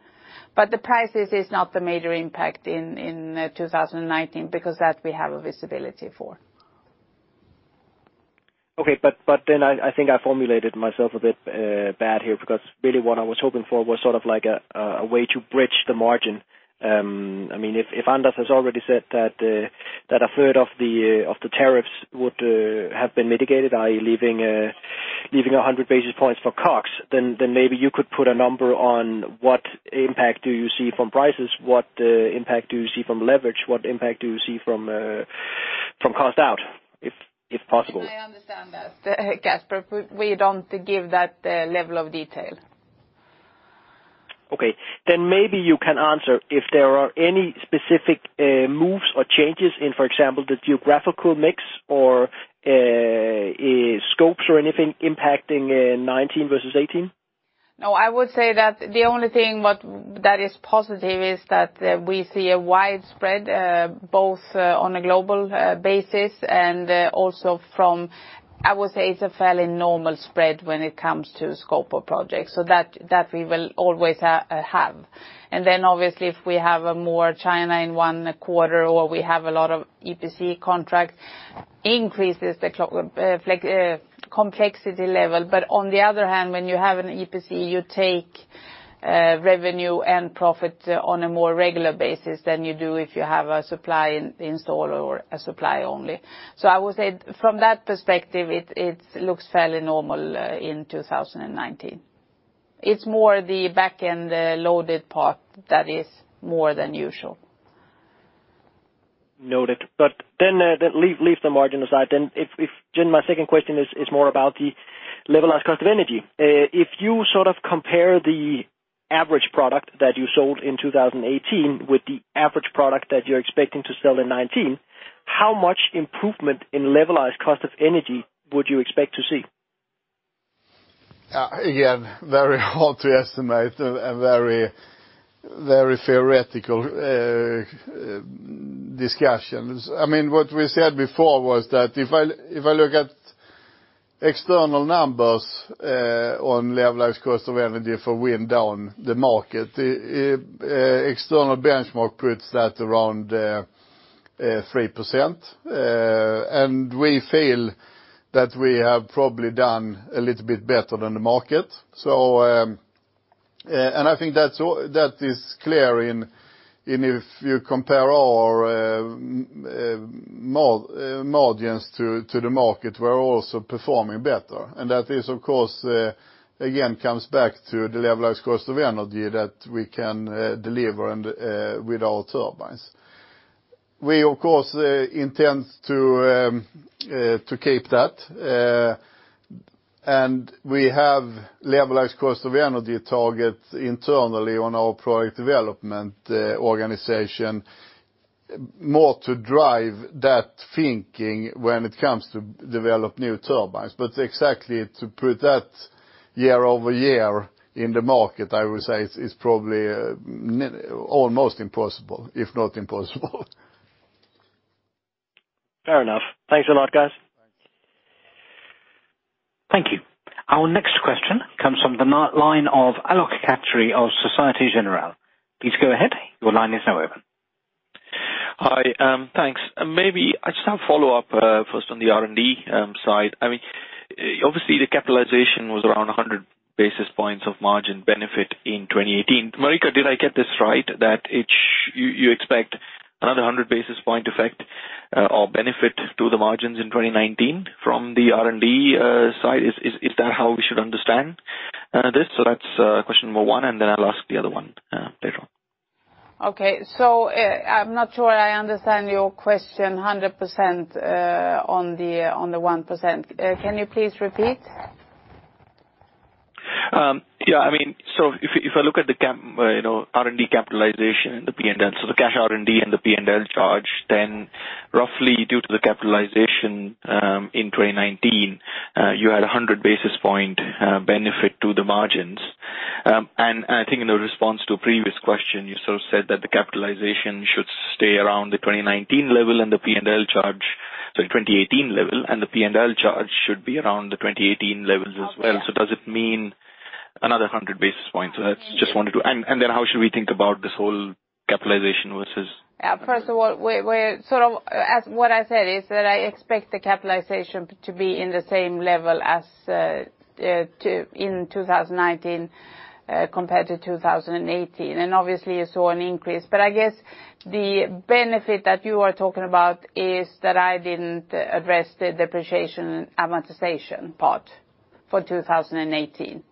The prices is not the major impact in 2019 because that we have a visibility for.
Okay. I think I formulated myself a bit bad here, because really what I was hoping for was sort of a way to bridge the margin. If Anders has already said that a third of the tariffs would have been mitigated, leaving 100 basis points for costs, maybe you could put a number on what impact do you see from prices, what impact do you see from leverage, what impact do you see from cost out, if possible?
I understand that, Casper. We don't give that level of detail.
Okay. Maybe you can answer if there are any specific moves or changes in, for example, the geographical mix or scopes or anything impacting 2019 versus 2018?
No, I would say that the only thing that is positive is that we see a widespread, both on a global basis and also from, I would say it's a fairly normal spread when it comes to scope of projects. That we will always have. Obviously if we have a more China in one quarter or we have a lot of EPC contract, increases the complexity level. On the other hand, when you have an EPC, you take revenue and profit on a more regular basis than you do if you have a supply install or a supply only. I would say from that perspective, it looks fairly normal in 2019. It's more the back-end loaded part that is more than usual.
Noted. Leave the margin aside. Then, my second question is more about the levelized cost of energy. If you sort of compare the average product that you sold in 2018 with the average product that you're expecting to sell in 2019, how much improvement in levelized cost of energy would you expect to see?
Again, very hard to estimate and very theoretical discussions. What we said before was that if I look at external numbers on levelized cost of energy for wind down the market, external benchmark puts that around 3%. We feel that we have probably done a little bit better than the market. I think that is clear if you compare our margins to the market, we're also performing better. That, of course, again, comes back to the levelized cost of energy that we can deliver with our turbines. We, of course, intend to keep that. We have levelized cost of energy targets internally on our product development organization, more to drive that thinking when it comes to develop new turbines. Exactly to put that year-over-year in the market, I would say it's probably almost impossible, if not impossible.
Fair enough. Thanks a lot, guys.
Thank you. Our next question comes from the line of Alok Lahoti of Societe Generale. Please go ahead. Your line is now open.
Hi, thanks. Maybe I just have a follow-up first on the R&D side. Obviously, the capitalization was around 100 basis points of margin benefit in 2018. Marika, did I get this right that you expect another 100 basis point effect or benefit to the margins in 2019 from the R&D side? Is that how we should understand this? That's question number one, and then I'll ask the other one later on.
Okay. I'm not sure I understand your question 100% on the 1%. Can you please repeat?
Yeah. If I look at the R&D capitalization, the P&L, the cash R&D and the P&L charge, roughly due to the capitalization in 2019, you had 100 basis point benefit to the margins. I think in the response to a previous question, you sort of said that the capitalization should stay around the 2019 level and the P&L charge, sorry, 2018 level, and the P&L charge should be around the 2018 levels as well.
Oh, yeah.
Does it mean another 100 basis points? How should we think about this whole capitalization versus-
First of all, what I said is that I expect the capitalization to be in the same level as in 2019 compared to 2018. Obviously you saw an increase, I guess the benefit that you are talking about is that I didn't address the depreciation amortization part for 2018.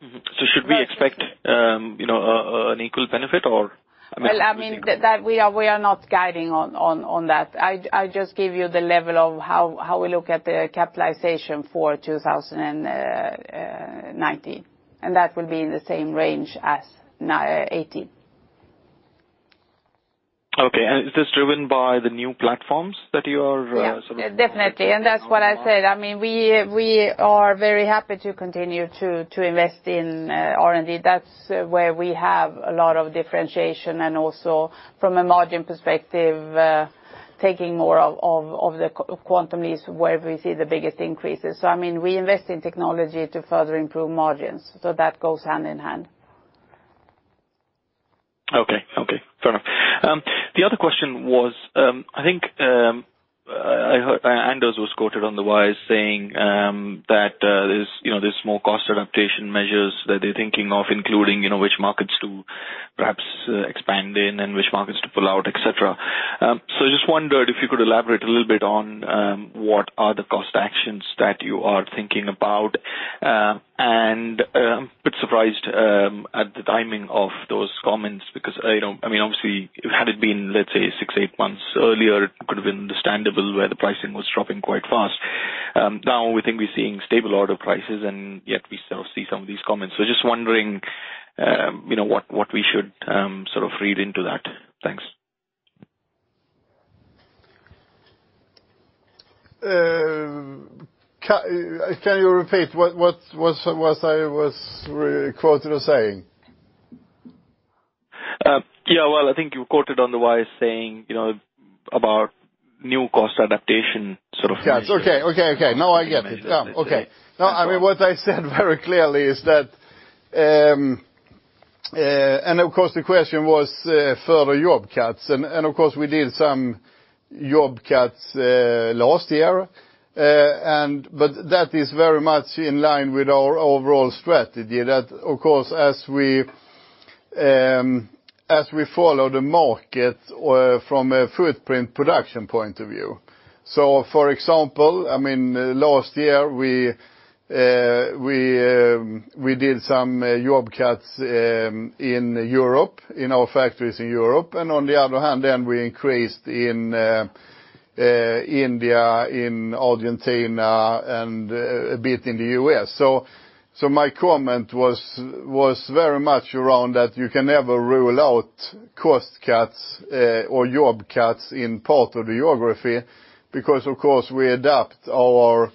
Should we expect an equal benefit or-
We are not guiding on that. I just gave you the level of how we look at the capitalization for 2019, and that will be in the same range as 2018.
Okay. Is this driven by the new platforms that you are sort of-
Definitely. That's what I said. We are very happy to continue to invest in R&D. That's where we have a lot of differentiation and also from a margin perspective, taking more of the quantum is where we see the biggest increases. We invest in technology to further improve margins. That goes hand in hand.
Okay. Fair enough. The other question was, I think, Anders was quoted on the wire saying that there is more cost adaptation measures that they are thinking of including, which markets to perhaps expand in, and which markets to pull out, et cetera. Just wondered if you could elaborate a little bit on what are the cost actions that you are thinking about. I am a bit surprised at the timing of those comments because obviously had it been, let's say six, eight months earlier, it could have been understandable where the pricing was dropping quite fast. Now we think we are seeing stable order prices, yet we still see some of these comments. Just wondering what we should sort of read into that. Thanks.
Can you repeat what I was quoted as saying?
Yeah. Well, I think you quoted on the wire saying about new cost adaptation.
Yes. Okay. Now I get it. Yeah. Okay. No, what I said very clearly is that of course the question was further job cuts. Of course, we did some job cuts last year, but that is very much in line with our overall strategy that, of course, as we follow the market from a footprint production point of view. For example, last year we did some job cuts in our factories in Europe. On the other hand, we increased in India, in Argentina, and a bit in the U.S. My comment was very much around that you can never rule out cost cuts or job cuts in part of the geography because of course we adapt our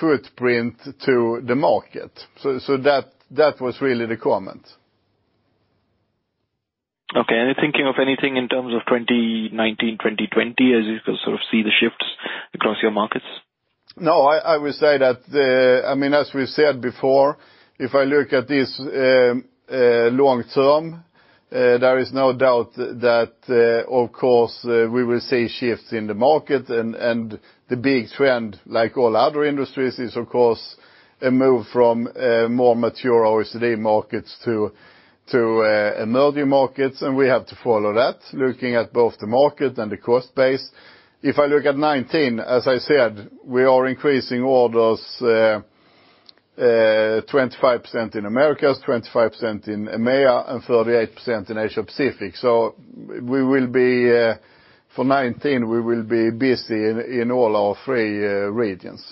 footprint to the market. That was really the comment.
Okay. Are you thinking of anything in terms of 2019, 2020, as you can sort of see the shifts across your markets?
No, I would say that, as we've said before, if I look at this long term, there is no doubt that, of course, we will see shifts in the market, the big trend, like all other industries, is of course a move from more mature OECD markets to emerging markets. We have to follow that, looking at both the market and the cost base. If I look at 2019, as I said, we are increasing orders 25% in Americas, 25% in EMEA, 38% in Asia Pacific. For 2019, we will be busy in all our three regions.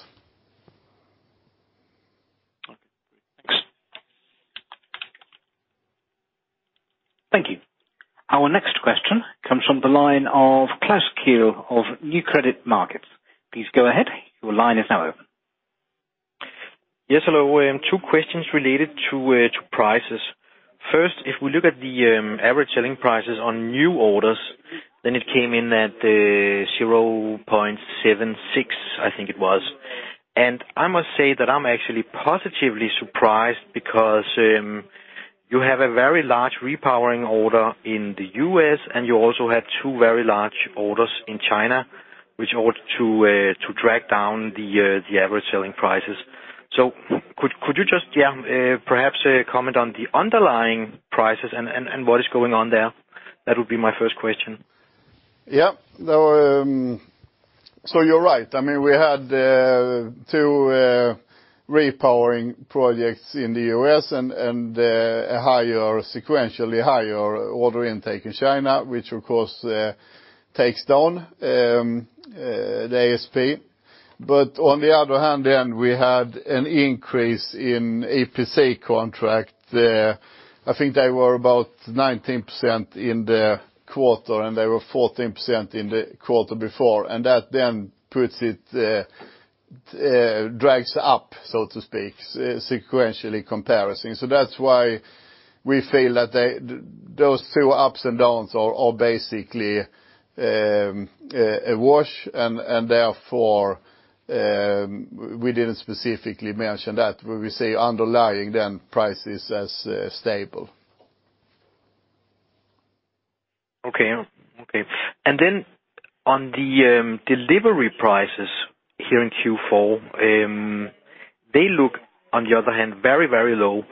Okay, great. Thanks.
Thank you. Our next question comes from the line of Klaus Kehl of New Credit Markets. Please go ahead, your line is now open.
Yes, hello. Two questions related to prices. First, if we look at the average selling prices on new orders, it came in at 0.76, I think it was. I must say that I am actually positively surprised because you have a very large repowering order in the U.S. and you also had two very large orders in China, which ought to drag down the average selling prices. Could you just perhaps comment on the underlying prices and what is going on there? That would be my first question.
Yeah. You are right. We had two repowering projects in the U.S. and a sequentially higher order intake in China, which of course takes down the ASP. On the other hand, we had an increase in EPC contract. I think they were about 19% in the quarter, and they were 14% in the quarter before. That drags up, so to speak, sequentially comparison. That is why we feel that those two ups and downs are basically a wash, and therefore we did not specifically mention that. We say underlying prices as stable.
Okay. On the delivery prices here in Q4, they look on the other hand very low.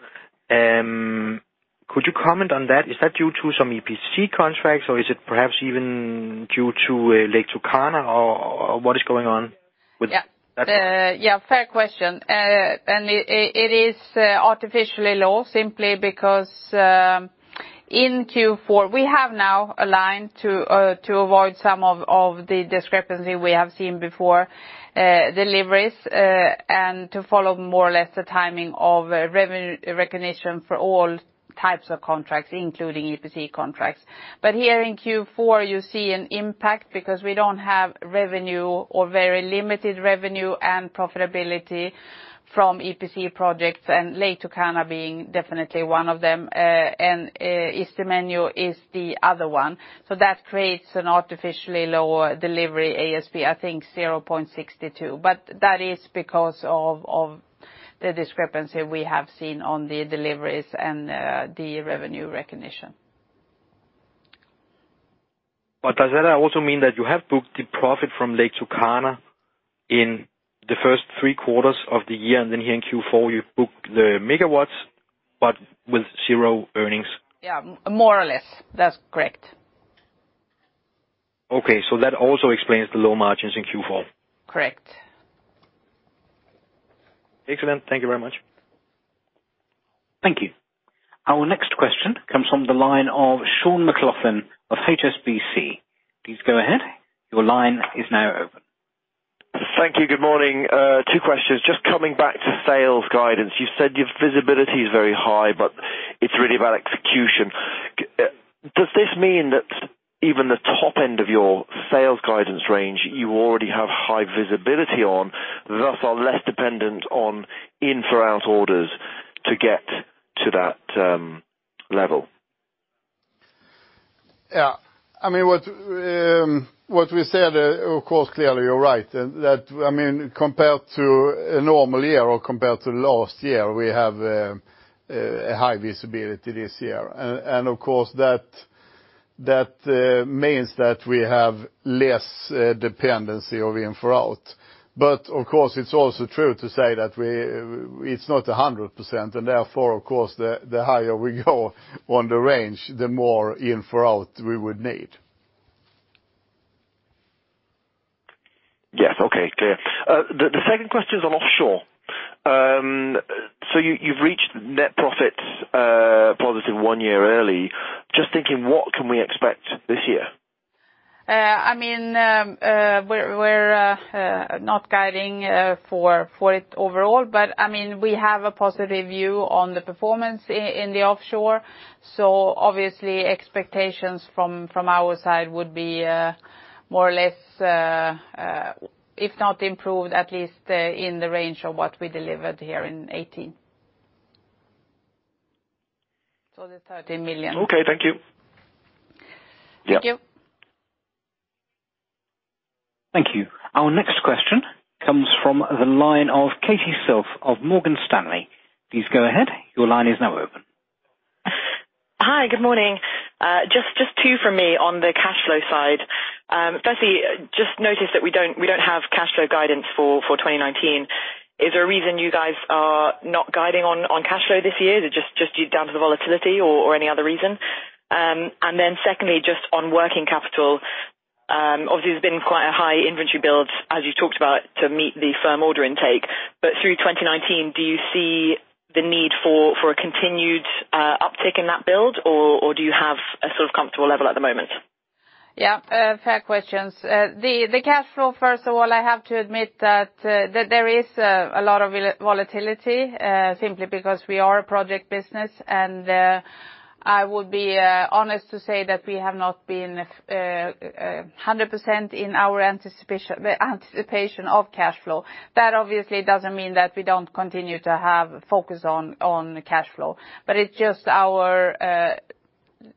Could you comment on that? Is that due to some EPC contracts or is it perhaps even due to Lake Turkana, or what is going on with that?
Yeah, fair question. It is artificially low simply because in Q4 we have now aligned to avoid some of the discrepancy we have seen before deliveries, and to follow more or less the timing of revenue recognition for all types of contracts, including EPC contracts. Here in Q4 you see an impact because we do not have revenue or very limited revenue and profitability from EPC projects, and Lake Turkana being definitely one of them, and Isthmus is the other one. That creates an artificially lower delivery ASP, I think 0.62. That is because of the discrepancy we have seen on the deliveries and the revenue recognition.
Does that also mean that you have booked the profit from Lake Turkana in the first three quarters of the year, and then here in Q4, you book the megawatts, but with zero earnings?
Yeah, more or less. That's correct.
Okay. That also explains the low margins in Q4.
Correct.
Excellent. Thank you very much.
Thank you. Our next question comes from the line of Sean McLoughlin of HSBC. Please go ahead. Your line is now open.
Thank you. Good morning. Two questions. Just coming back to sales guidance. You said your visibility is very high, but it's really about execution. Does this mean that even the top end of your sales guidance range, you already have high visibility on, thus are less dependent on in-for-out orders to get to that level?
Yeah. What we said, of course, clearly you're right. Compared to a normal year or compared to last year, we have a high visibility this year. Of course, that means that we have less dependency of in-for-out. Of course, it's also true to say that it's not 100%, and therefore, of course, the higher we go on the range, the more in-for-out we would need.
Yes, okay. Clear. The second question is on offshore. You've reached net profits positive one year early. Just thinking, what can we expect this year?
We're not guiding for it overall, but we have a positive view on the performance in the offshore. Obviously, expectations from our side would be more or less, if not improved, at least in the range of what we delivered here in 2018. The 30 million.
Okay, thank you.
Yeah. Thank you.
Thank you. Our next question comes from the line of Katie Self of Morgan Stanley. Please go ahead. Your line is now open.
Hi, good morning. Just two from me on the cash flow side. Firstly, just noticed that we don't have cash flow guidance for 2019. Is there a reason you guys are not guiding on cash flow this year? Is it just due down to the volatility or any other reason? Secondly, just on working capital, obviously there's been quite a high inventory build, as you talked about, to meet the firm order intake. Through 2019, do you see the need for a continued uptick in that build? Or do you have a sort of comfortable level at the moment?
Yeah, fair questions. The cash flow, first of all, I have to admit that there is a lot of volatility, simply because we are a project business, and I would be honest to say that we have not been 100% in our anticipation of cash flow. That obviously doesn't mean that we don't continue to have focus on cash flow.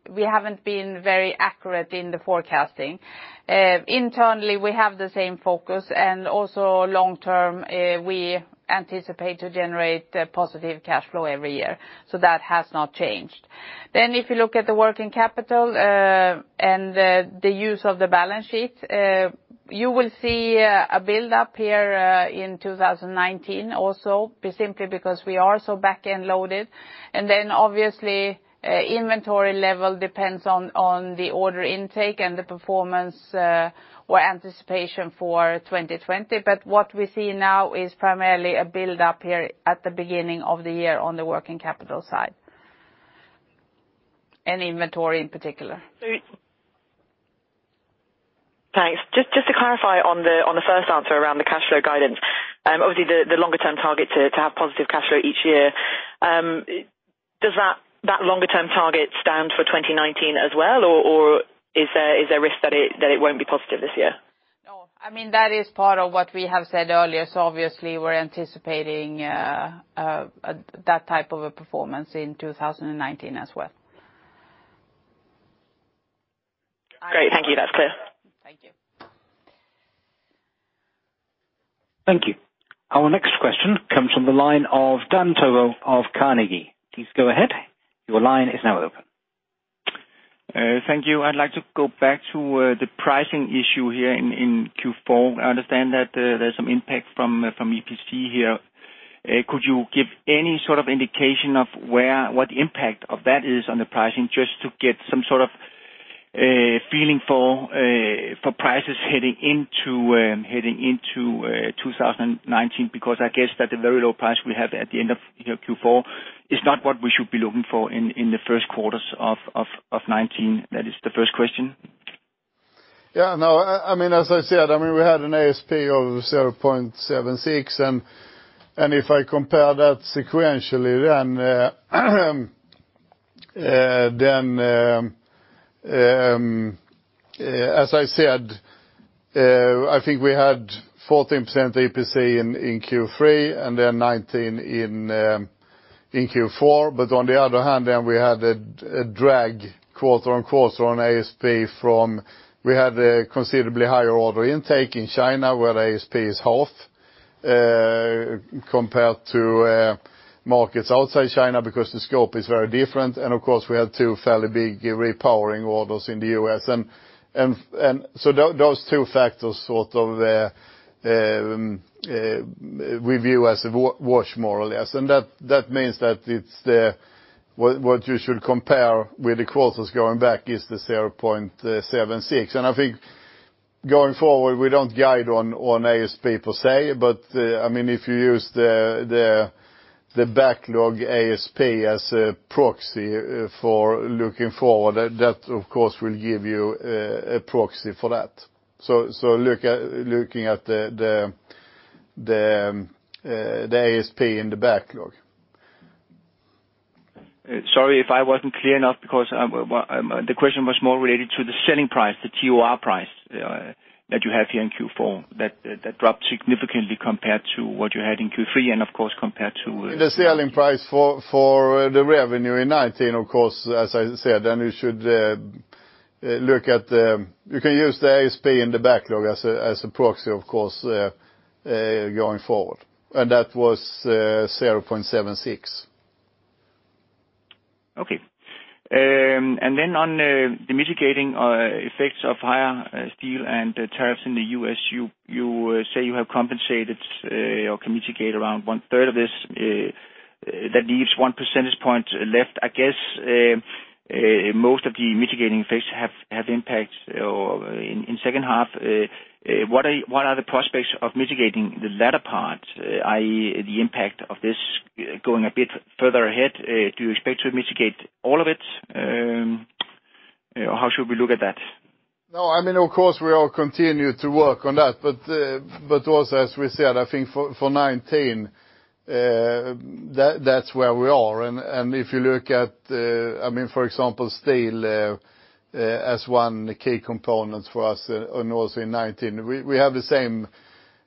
We haven't been very accurate in the forecasting. Internally, we have the same focus, and also long term, we anticipate to generate positive cash flow every year. That has not changed. If you look at the working capital, and the use of the balance sheet, you will see a buildup here in 2019 also, simply because we are so back-end loaded. Obviously, inventory level depends on the order intake and the performance or anticipation for 2020. What we see now is primarily a buildup here at the beginning of the year on the working capital side, and inventory in particular.
Thanks. Just to clarify on the first answer around the cash flow guidance. Obviously, the longer term target to have positive cash flow each year. Does that longer term target stand for 2019 as well? Or is there a risk that it won't be positive this year?
No. That is part of what we have said earlier. Obviously, we're anticipating that type of a performance in 2019 as well.
Great. Thank you. That's clear.
Thank you.
Thank you. Our next question comes from the line of Dan Togo Jensen of Carnegie. Please go ahead. Your line is now open.
Thank you. I'd like to go back to the pricing issue here in Q4. I understand that there's some impact from EPC here. Could you give any sort of indication of what the impact of that is on the pricing, just to get some sort of feeling for prices heading into 2019? I guess that the very low price we have at the end of Q4 is not what we should be looking for in the first quarters of 2019. That is the first question.
Yeah. As I said, we had an ASP of 0.76. If I compare that sequentially, as I said, I think we had 14% EPC in Q3 and 19% in Q4. On the other hand, we had a drag quarter-on-quarter on ASP from, we had a considerably higher order intake in China, where the ASP is half compared to markets outside China because the scope is very different. Of course, we have two fairly big repowering orders in the U.S. Those two factors sort of, we view as wash more or less. That means that what you should compare with the quarters going back is the 0.76. I think going forward, we don't guide on ASP per se, but if you use the backlog ASP as a proxy for looking forward, that of course will give you a proxy for that. Looking at the ASP in the backlog.
Sorry if I wasn't clear enough because the question was more related to the selling price, the TOR price that you have here in Q4, that dropped significantly compared to what you had in Q3.
The selling price for the revenue in 2019, of course, as I said, you should look at. You can use the ASP in the backlog as a proxy, of course, going forward. That was 0.76.
Okay. On the mitigating effects of higher steel and tariffs in the U.S., you say you have compensated or can mitigate around one third of this. That leaves one percentage point left. Most of the mitigating effects have impact in second half. What are the prospects of mitigating the latter part, i.e., the impact of this going a bit further ahead? Do you expect to mitigate all of it? How should we look at that?
No, of course, we all continue to work on that. Also as we said, I think for 2019, that's where we are. If you look at, for example, steel as one key component for us and also in 2019. We have the same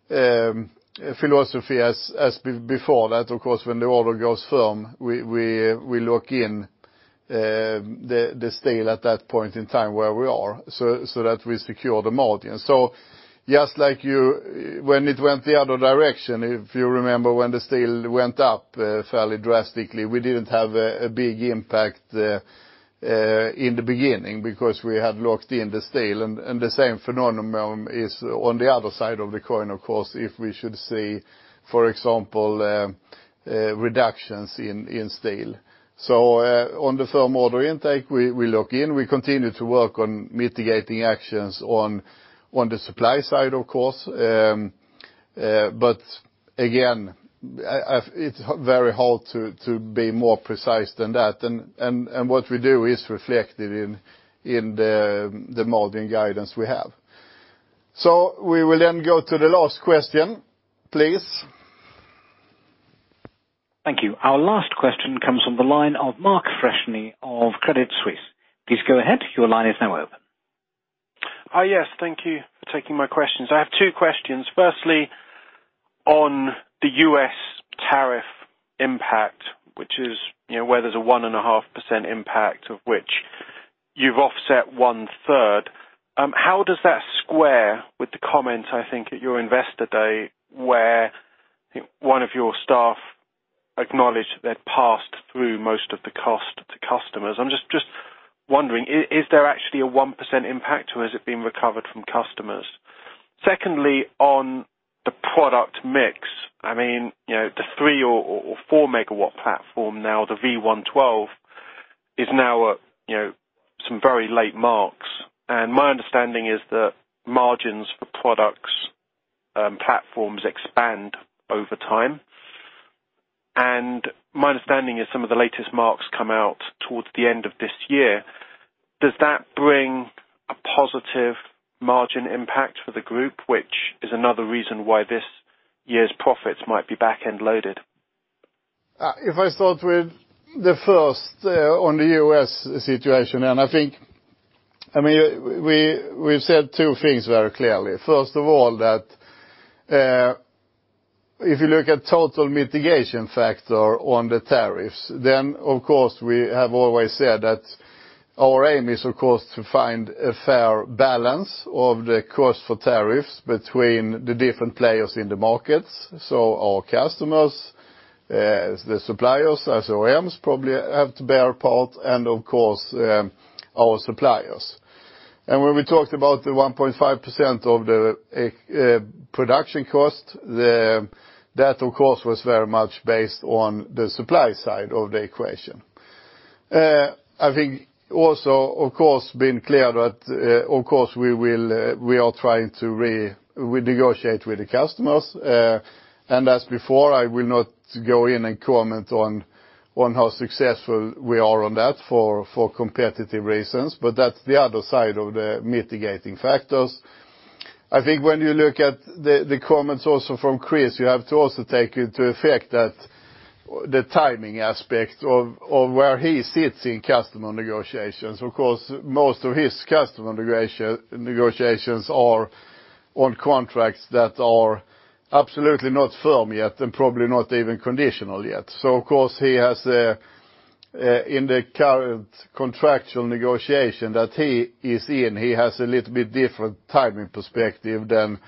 philosophy as before that, of course, when the order goes firm, we look in the steel at that point in time where we are, so that we secure the margin. Just like when it went the other direction, if you remember when the steel went up fairly drastically, we didn't have a big impact in the beginning because we had locked in the steel. The same phenomenon is on the other side of the coin, of course, if we should see, for example, reductions in steel. On the firm order intake, we look in. We continue to work on mitigating actions on the supply side, of course. Again, it's very hard to be more precise than that. What we do is reflect it in the margin guidance we have. We will then go to the last question, please.
Thank you. Our last question comes from the line of Mark Freshney of Credit Suisse. Please go ahead. Your line is now open.
Hi, yes. Thank you for taking my questions. I have two questions. Firstly, on the U.S. tariff impact, which is, where there's a 1.5% impact of which you've offset 1/3. How does that square with the comment, I think, at your investor day, where one of your staff acknowledged they'd passed through most of the cost to customers? I'm just wondering, is there actually a 1% impact or has it been recovered from customers? Secondly, on the product mix, the3 MW or 4 MW platform now, the V112 is now some very late marks. My understanding is that margins for products platforms expand over time. My understanding is some of the latest marks come out towards the end of this year. Does that bring a positive margin impact for the group, which is another reason why this year's profits might be back-end loaded?
If I start with the first on the U.S. situation, I think we've said two things very clearly. First of all that, if you look at total mitigation factor on the tariffs, of course we have always said that our aim is, of course, to find a fair balance of the cost for tariffs between the different players in the markets. Our customers, the suppliers, OEMs probably have to bear part and, of course, our suppliers. When we talked about the 1.5% of the production cost, that of course, was very much based on the supply side of the equation. I think also, of course, we have been clear that we are trying to renegotiate with the customers. As before, I will not go in and comment on how successful we are on that for competitive reasons. That's the other side of the mitigating factors. I think when you look at the comments also from Chris, you have to also take into effect that the timing aspect of where he sits in customer negotiations. Of course, most of his customer negotiations are on contracts that are absolutely not firm yet, and probably not even conditional yet. In the current contractual negotiation that he is in, he has a little bit different timing perspective than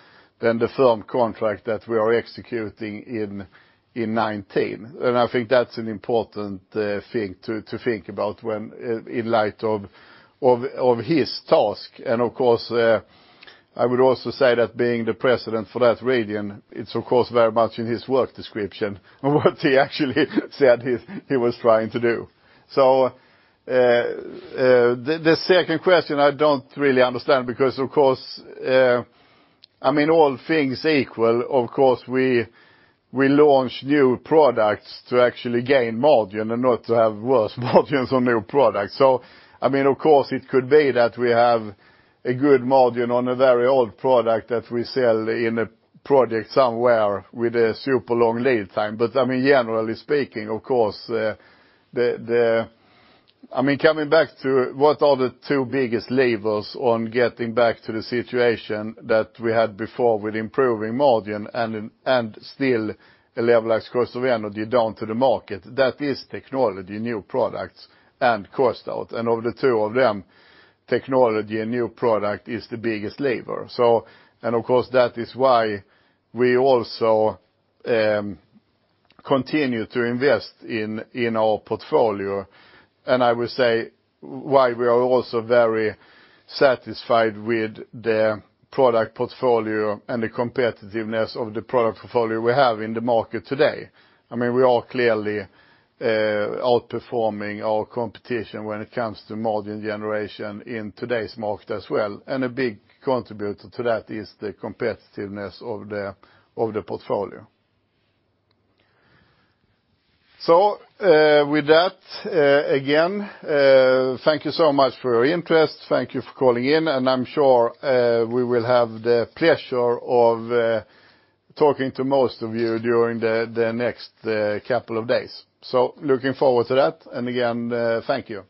the firm contract that we are executing in 2019. I think that's an important thing to think about in light of his task. Of course, I would also say that being the president for that region, it's of course very much in his work description what he actually said he was trying to do. The second question I don't really understand because, all things equal, of course, we launch new products to actually gain margin and not to have worse margins on new products. Of course it could be that we have a good margin on a very old product that we sell in a project somewhere with a super long lead time. Generally speaking, coming back to what are the two biggest levers on getting back to the situation that we had before with improving margin and still a levelized cost of energy down to the market, that is technology, new products, and cost out. Of the two of them, technology and new product is the biggest lever. Of course that is why we also continue to invest in our portfolio, and I will say why we are also very satisfied with the product portfolio and the competitiveness of the product portfolio we have in the market today. We are clearly outperforming our competition when it comes to margin generation in today's market as well, and a big contributor to that is the competitiveness of the portfolio. With that, again, thank you so much for your interest. Thank you for calling in, and I'm sure we will have the pleasure of talking to most of you during the next couple of days. Looking forward to that. Again, thank you.